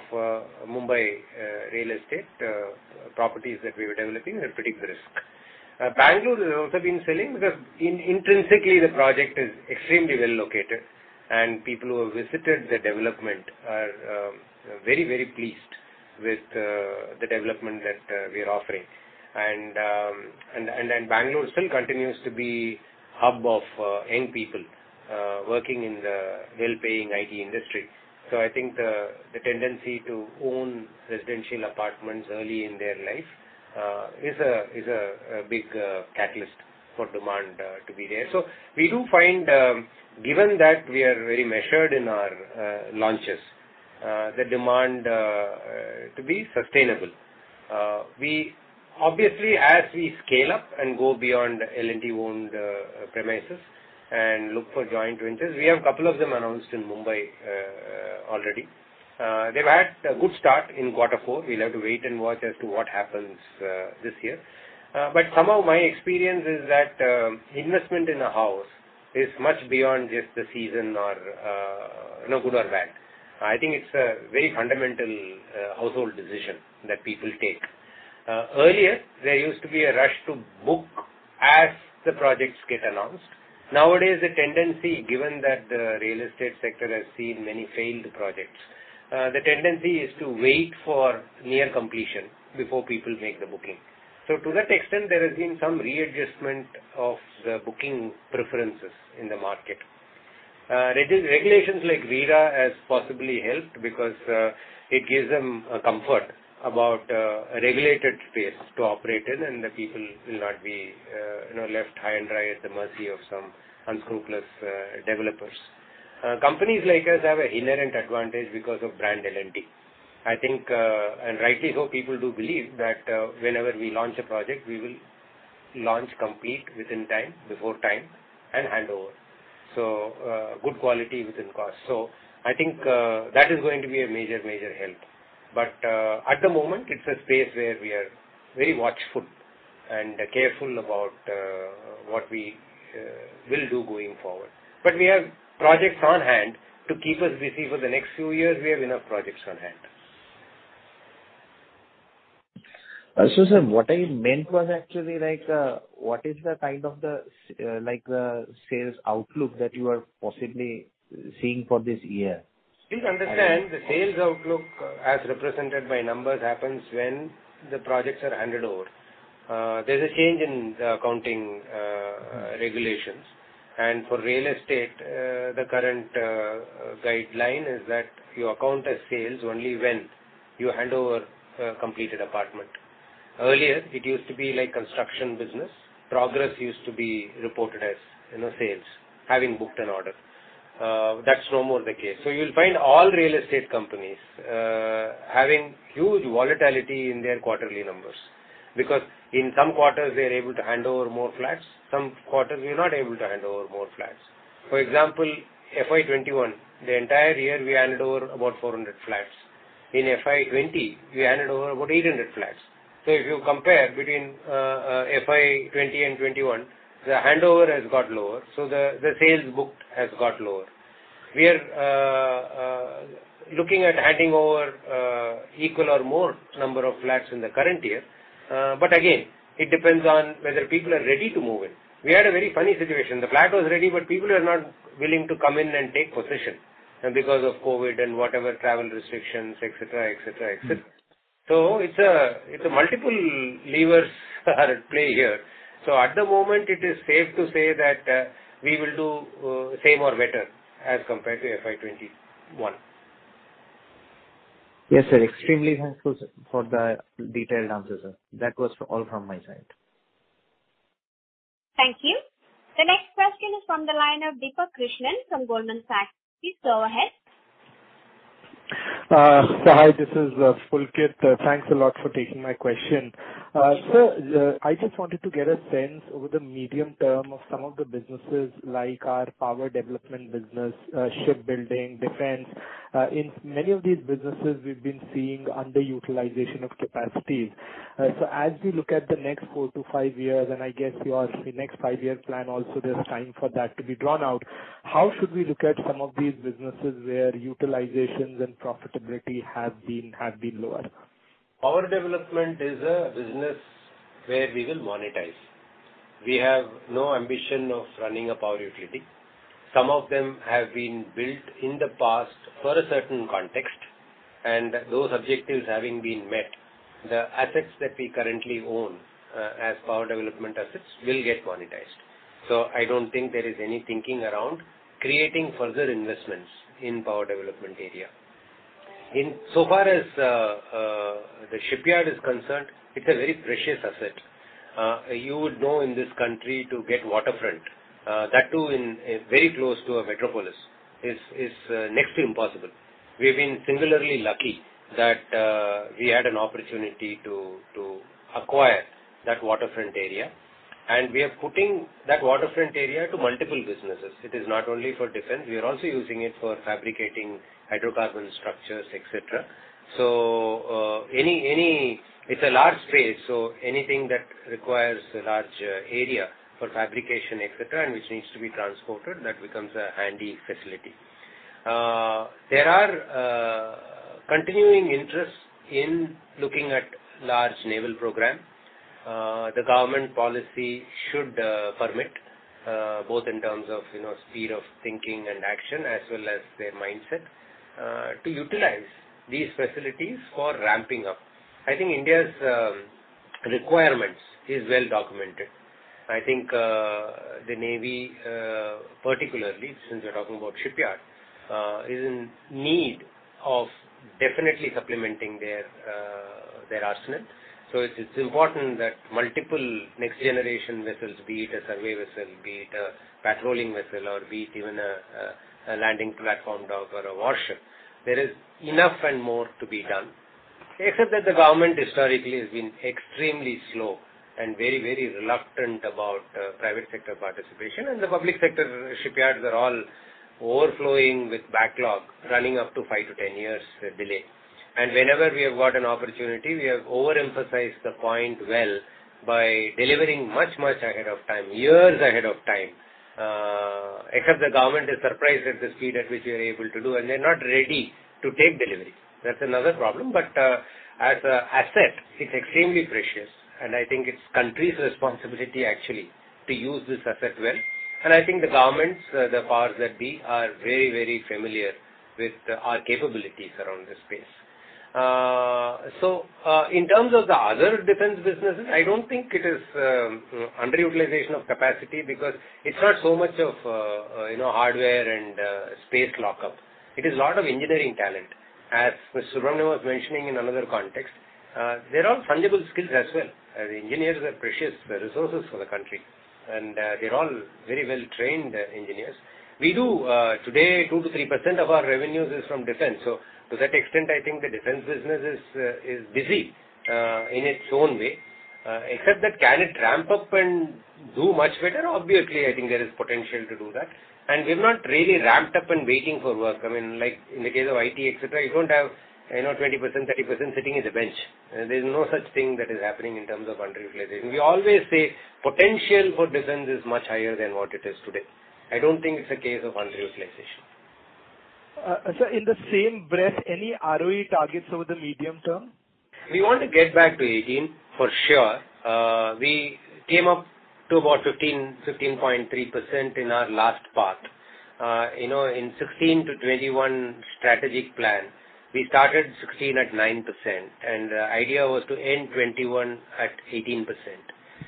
Mumbai real estate properties that we were developing are pretty brisk. Bangalore has also been selling because intrinsically the project is extremely well located, and people who have visited the development are very pleased with the development that we are offering. Bangalore still continues to be hub of young people working in the well-paying IT industry. I think the tendency to own residential apartments early in their life is a big catalyst for demand to be there. We do find, given that we are very measured in our launches, the demand to be sustainable. Obviously, as we scale up and go beyond L&T-owned premises and look for joint ventures, we have a couple of them announced in Mumbai already. They've had a good start in quarter four. We'll have to wait and watch as to what happens this year. Somehow my experience is that investment in a house is much beyond just the season or good or bad. I think it's a very fundamental household decision that people take. Earlier, there used to be a rush to book as the projects get announced. Nowadays, the tendency, given that the real estate sector has seen many failed projects, the tendency is to wait for near completion before people make the booking. To that extent, there has been some readjustment of the booking preferences in the market. Regulations like RERA has possibly helped because it gives them comfort about a regulated space to operate in, and the people will not be left high and dry at the mercy of some unscrupulous developers. Companies like us have an inherent advantage because of brand L&T. I think, and rightly so, people do believe that whenever we launch a project, we will launch complete within time, before time, and hand over. Good quality within cost. I think that is going to be a major help. At the moment, it's a space where we are very watchful and careful about what we will do going forward. We have projects on hand to keep us busy for the next few years. We have enough projects on hand. Sir, what I meant was actually, what is the kind of sales outlook that you are possibly seeing for this year? Please understand, the sales outlook as represented by numbers happens when the projects are handed over. There's a change in the accounting regulations. For real estate, the current guideline is that you account as sales only when you hand over a completed apartment. Earlier, it used to be like construction business. Progress used to be reported as sales, having booked an order. That's no more the case. You'll find all real estate companies having huge volatility in their quarterly numbers because in some quarters they're able to hand over more flats, some quarters you're not able to hand over more flats. For example, FY 2021, the entire year we handed over about 400 flats. In FY 2020, we handed over about 800 flats. If you compare between FY 2020 and 2021, the handover has got lower, so the sales booked have got lower. We are looking at handing over equal or more number of flats in the current year. Again, it depends on whether people are ready to move in. We had a very funny situation. The flat was ready, but people are not willing to come in and take possession because of COVID and whatever travel restrictions, et cetera. It's multiple levers are at play here. At the moment it is safe to say that we will do same or better as compared to FY 2021. Yes, sir. Extremely helpful for the detailed answer, sir. That was all from my side. Thank you. The next question is from the line of Deepa Krishnan from Goldman Sachs. Please go ahead. Sir, hi, this is Pulkit. Thanks a lot for taking my question. Sir, I just wanted to get a sense over the medium term of some of the businesses, like our power development business, shipbuilding, defense. In many of these businesses, we've been seeing underutilization of capacity. As we look at the next four to five years, and I guess your next five-year plan also, there's time for that to be drawn out. How should we look at some of these businesses where utilizations and profitability have been lower? Power development is a business where we will monetize. We have no ambition of running a power utility. Some of them have been built in the past for a certain context, and those objectives having been met, the assets that we currently own as power development assets will get monetized. I don't think there is any thinking around creating further investments in power development area. Far as the shipyard is concerned, it's a very precious asset. You would know in this country to get waterfront, that too very close to a metropolis, is next to impossible. We've been singularly lucky that we had an opportunity to acquire that waterfront area, and we are putting that waterfront area to multiple businesses. It is not only for defense. We are also using it for fabricating hydrocarbon structures, et cetera. It's a large space, so anything that requires a large area for fabrication, et cetera, and which needs to be transported, that becomes a handy facility. There are continuing interests in looking at large naval program. The government policy should permit, both in terms of speed of thinking and action, as well as their mindset, to utilize these facilities for ramping up. I think India's requirements is well documented. I think the Navy, particularly since we're talking about shipyard, is in need of definitely supplementing their arsenal. It's important that multiple next generation vessels, be it a survey vessel, be it a patrolling vessel, or be it even a landing platform dock or a warship, there is enough and more to be done. The government historically has been extremely slow and very reluctant about private sector participation, and the public sector shipyards are all overflowing with backlog, running up to 5-10 years delay. Whenever we have got an opportunity, we have overemphasized the point well by delivering much ahead of time, years ahead of time. The government is surprised at the speed at which we are able to do, and they're not ready to take delivery. That's another problem. As an asset, it's extremely precious, and I think it's country's responsibility actually to use this asset well. I think the governments, the powers that be, are very familiar with our capabilities around this space. In terms of the other defense businesses, I don't think it is underutilization of capacity because it's not so much of hardware and space lockup. It is a lot of engineering talent. As Mr. Rama was mentioning in another context, they're all fungible skills as well. The engineers are precious resources for the country, and they're all very well-trained engineers. We do today 2%-3% of our revenues is from defense. To that extent, I think the defense business is busy in its own way. Except that can it ramp up and do much better? Obviously, I think there is potential to do that. We've not really ramped up and waiting for work. I mean, like in the case of IT, et cetera, you don't have 20%, 30% sitting in the bench. There's no such thing that is happening in terms of underutilization. We always say potential for defense is much higher than what it is today. I don't think it's a case of underutilization. Sir, in the same breath, any ROE targets over the medium term? We want to get back to 18% for sure. We came up to about 15.3% in our last path. In 2016 to 2021 strategic plan, we started 2016 at 9%, and the idea was to end 2021 at 18%.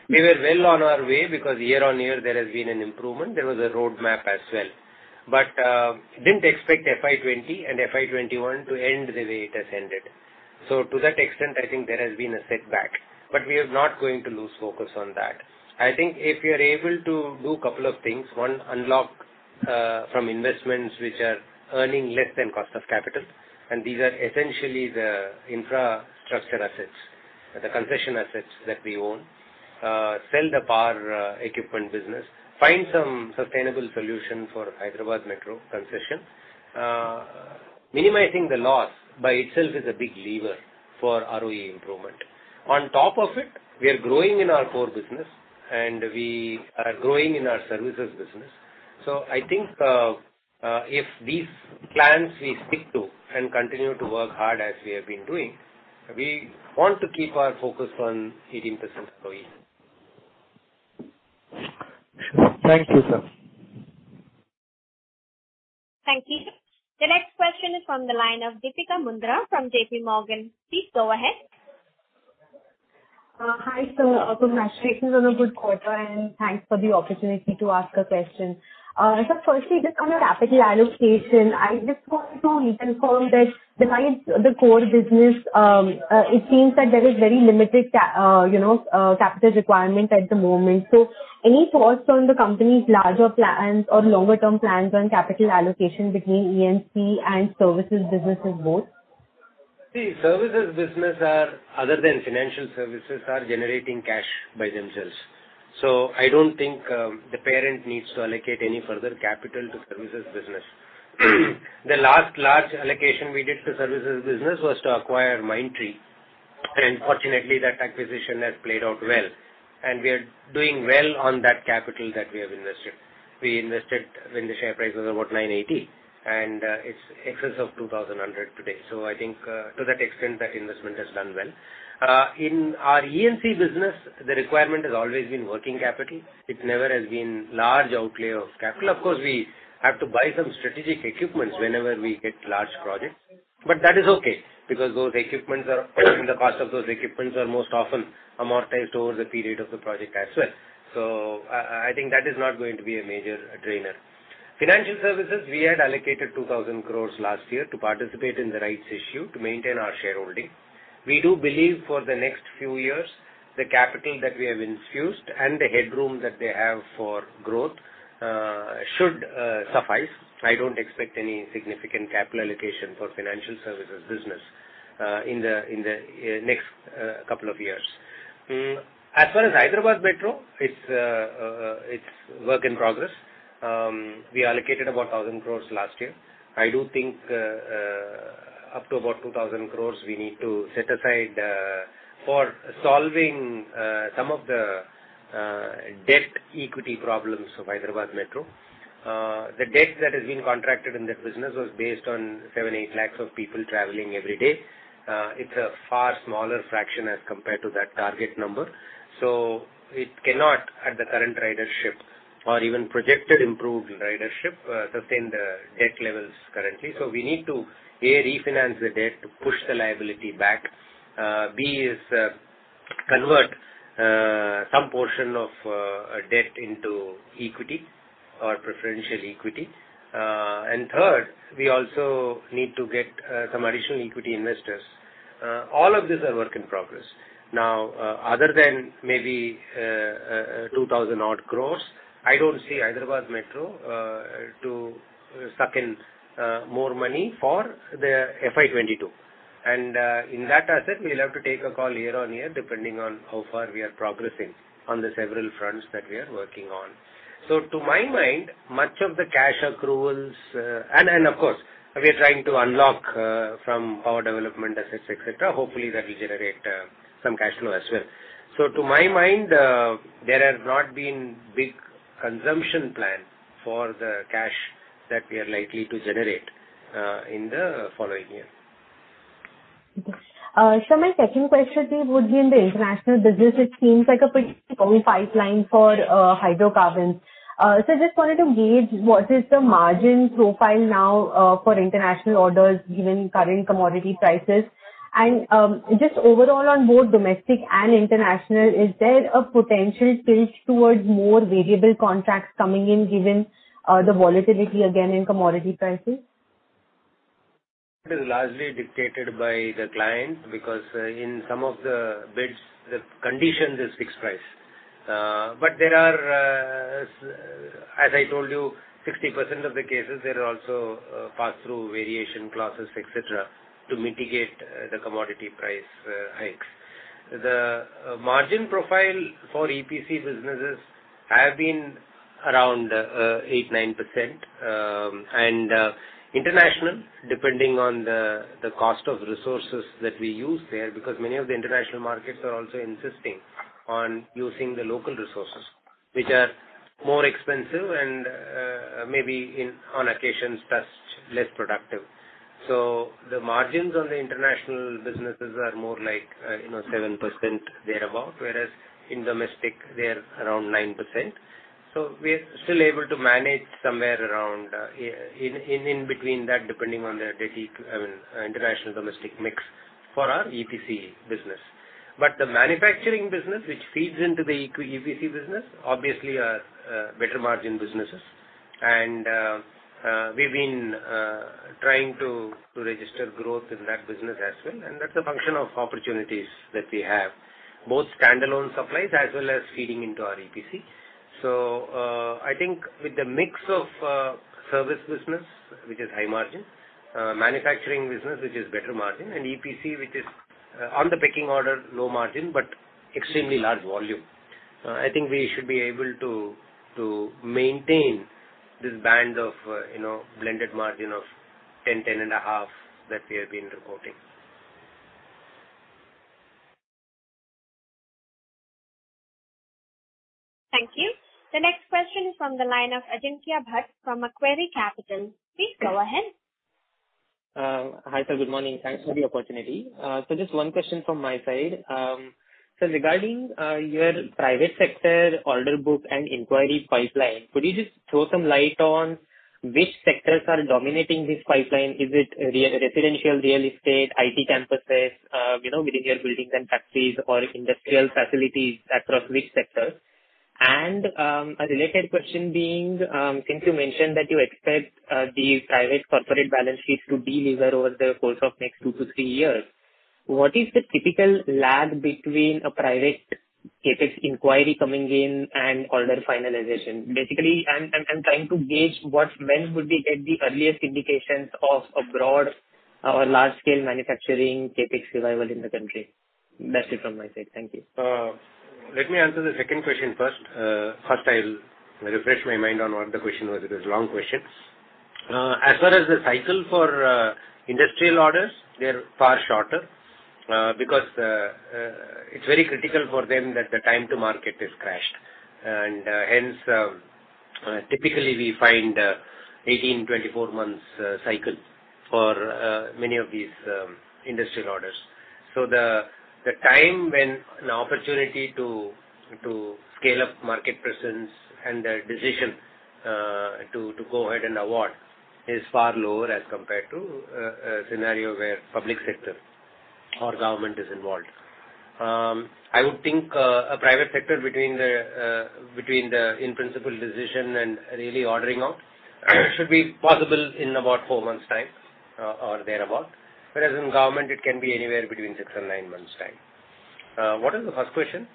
We were well on our way because year-over-year, there has been an improvement. There was a roadmap as well. Didn't expect FY 2020 and FY 2021 to end the way it has ended. To that extent, I think there has been a setback. We are not going to lose focus on that. I think if we are able to do couple of things, one, unlock from investments which are earning less than cost of capital, and these are essentially the infrastructure assets, the concession assets that we own. Sell the power equipment business. Find some sustainable solution for Hyderabad Metro concession. Minimizing the loss by itself is a big lever for ROE improvement. On top of it, we are growing in our core business, and we are growing in our services business. I think if these plans we stick to and continue to work hard as we have been doing, we want to keep our focus on 18% ROE. Thank you, sir. Thank you. The next question is from the line of Deepika Mundra from JPMorgan. Please go ahead. Hi, sir. Congratulations on a good quarter, and thanks for the opportunity to ask a question. Sir, firstly, just on your capital allocation, I just want to confirm that besides the core business, it seems that there is very limited capital requirement at the moment. Any thoughts on the company's larger plans or longer-term plans on capital allocation between E&C and services businesses both? Services business, other than financial services, are generating cash by themselves. I don't think the parent needs to allocate any further capital to services business. The last large allocation we did to services business was to acquire Mindtree, and fortunately, that acquisition has played out well, and we are doing well on that capital that we have invested. We invested when the share price was about 980, and it's excess of 2,100 today. I think to that extent, that investment has done well. In our E&C business, the requirement has always been working capital. It never has been large outlay of capital. Of course, we have to buy some strategic equipments whenever we get large projects, but that is okay because the cost of those equipments are most often amortized over the period of the project as well. I think that is not going to be a major drainer. Financial services, we had allocated 2,000 crores last year to participate in the rights issue to maintain our shareholding. We do believe for the next few years, the capital that we have infused and the headroom that they have for growth should suffice. I don't expect any significant capital allocation for financial services business in the next couple of years. As far as Hyderabad Metro, it's work in progress. We allocated about 1,000 crores last year. I do think up to about 2,000 crores we need to set aside for solving some of the debt equity problems of Hyderabad Metro. The debt that has been contracted in that business was based on seven, eight lakhs of people traveling every day. It's a far smaller fraction as compared to that target number. It cannot, at the current ridership or even projected improved ridership, sustain the debt levels currently. We need to, A, refinance the debt to push the liability back. B is convert some portion of debt into equity or preferential equity. Third, we also need to get some additional equity investors. All of these are work in progress. Other than maybe 2,000 odd crores, I don't see Hyderabad Metro to suck in more money for the FY 2022. In that asset, we'll have to take a call year-on-year, depending on how far we are progressing on the several fronts that we are working on. Of course, we are trying to unlock from our development assets, et cetera. Hopefully, that will generate some cash flow as well. To my mind, there has not been big consumption plan for the cash that we are likely to generate in the following year. Okay. Sir, my second question to you would be in the international business, it seems like a pretty strong pipeline for hydrocarbons. I just wanted to gauge what is the margin profile now for international orders, given current commodity prices. Just overall on both domestic and international, is there a potential tilt towards more variable contracts coming in, given the volatility again in commodity prices? It is largely dictated by the client because in some of the bids, the condition is fixed price. As I told you, 60% of the cases, there are also pass-through variation clauses, et cetera, to mitigate the commodity price hikes. The margin profile for EPC businesses have been around 8%-9%. International, depending on the cost of resources that we use there, because many of the international markets are also insisting on using the local resources, which are more expensive and maybe on occasions, less productive. The margins on the international businesses are more like 7%, thereabout. Whereas in domestic, they are around 9%. We're still able to manage somewhere in between that, depending on the international-domestic mix for our EPC business. The manufacturing business, which feeds into the EPC business, obviously are better margin businesses. We've been trying to register growth in that business as well, and that's a function of opportunities that we have, both standalone supplies as well as feeding into our EPC. So I think with the mix of service business, which is high margin, manufacturing business, which is better margin, and EPC, which is on the pecking order, low margin, but extremely large volume, I think we should be able to maintain this band of blended margin of 10%, 10.5%, that we have been reporting. Thank you. The next question from the line of Ajin Tiyabhat from Macquarie Capital. Please go ahead. Hi, sir. Good morning. Thanks for the opportunity. Just one question from my side. Sir, regarding your private sector order book and inquiry pipeline, could you just throw some light on which sectors are dominating this pipeline? Is it residential real estate, IT campuses, medium Buildings & Factories or industrial facilities across which sectors? A related question being, I think you mentioned that you expect the private corporate balance sheets to de-lever over the course of next two to three years. What is the typical lag between a private CapEx inquiry coming in and order finalization? Basically, I'm trying to gauge when would we get the earliest indications of a broad or large-scale manufacturing CapEx revival in the country. That's it from my side. Thank you. Let me answer the second question first. First, I'll refresh my mind on what the question was. It was long questions. As far as the cycle for industrial orders, they're far shorter because it's very critical for them that the time to market is crashed. Hence, typically we find 18, 24 months cycle for many of these industrial orders. The time when an opportunity to scale up market presence and the decision to go ahead and award is far lower as compared to a scenario where public sector or government is involved. I would think a private sector between the in-principle decision and really ordering out should be possible in about four months' time or thereabout. Whereas in government, it can be anywhere between six and nine months' time. What was the first question?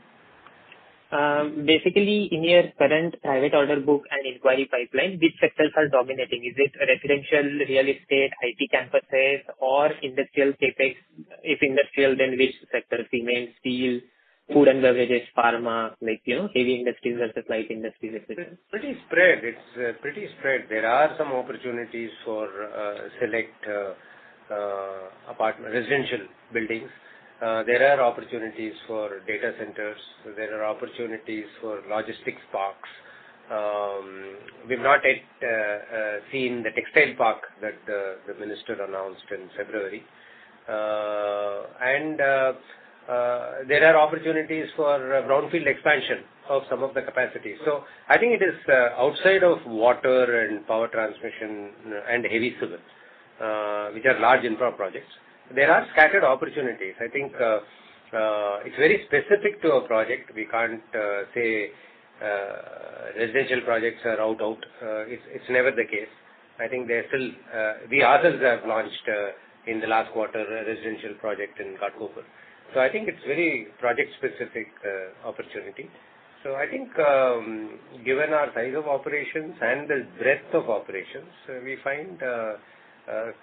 In your current private order book and inquiry pipeline, which sectors are dominating? Is it residential, real estate, IT campuses, or industrial CapEx? If industrial, which sector? Cement, steel, food and beverages, pharma, heavy industries versus light industries, et cetera. It's pretty spread. There are some opportunities for select residential buildings. There are opportunities for data centers. There are opportunities for logistics parks. We've not yet seen the textile park that the minister announced in February. There are opportunities for brownfield expansion of some of the capacities. I think it is outside of water and power transmission and heavy civils, which are large infra projects. There are scattered opportunities. I think it's very specific to a project. We can't say residential projects are out. It's never the case. We ourselves have launched, in the last quarter, a residential project in Ghatkopar. I think it's very project-specific opportunity. I think given our size of operations and the breadth of operations, we find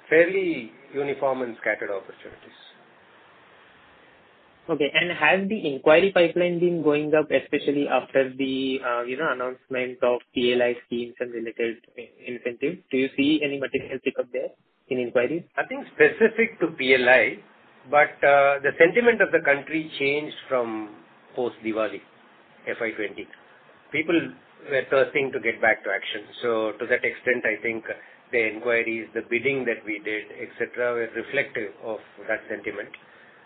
fairly uniform and scattered opportunities. Okay. Has the inquiry pipeline been going up, especially after the announcement of PLI schemes and related incentives? Do you see any material pick-up there in inquiries? Nothing specific to PLI. The sentiment of the country changed from post-Diwali FY 2020. People were thirsting to get back to action. To that extent, I think the inquiries, the bidding that we did, et cetera, were reflective of that sentiment.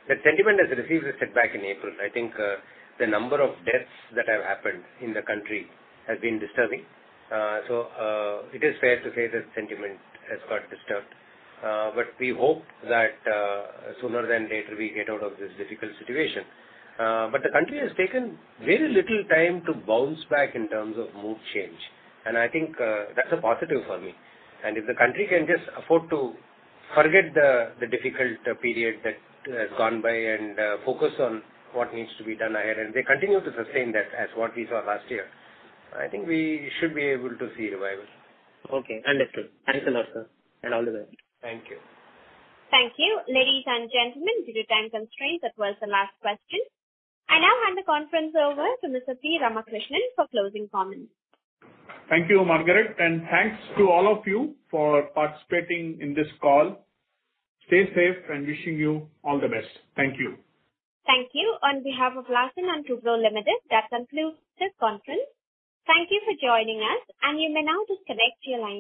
The sentiment has received a setback in April. I think the number of deaths that have happened in the country has been disturbing. It is fair to say that sentiment has got disturbed. We hope that sooner than later, we get out of this difficult situation. The country has taken very little time to bounce back in terms of mood change. I think that's a positive for me. If the country can just afford to forget the difficult period that has gone by and focus on what needs to be done ahead, and they continue to sustain that as what we saw last year, I think we should be able to see revival. Okay, understood. Thanks a lot, sir. All the best. Thank you. Thank you. Ladies and gentlemen, due to time constraints, that was the last question. I now hand the conference over to Mr. P. Ramakrishnan for closing comments. Thank you, Margaret, and thanks to all of you for participating in this call. Stay safe, and wishing you all the best. Thank you. Thank you. On behalf of Larsen & Toubro Limited, that concludes this conference. Thank you for joining us, and you may now disconnect your lines.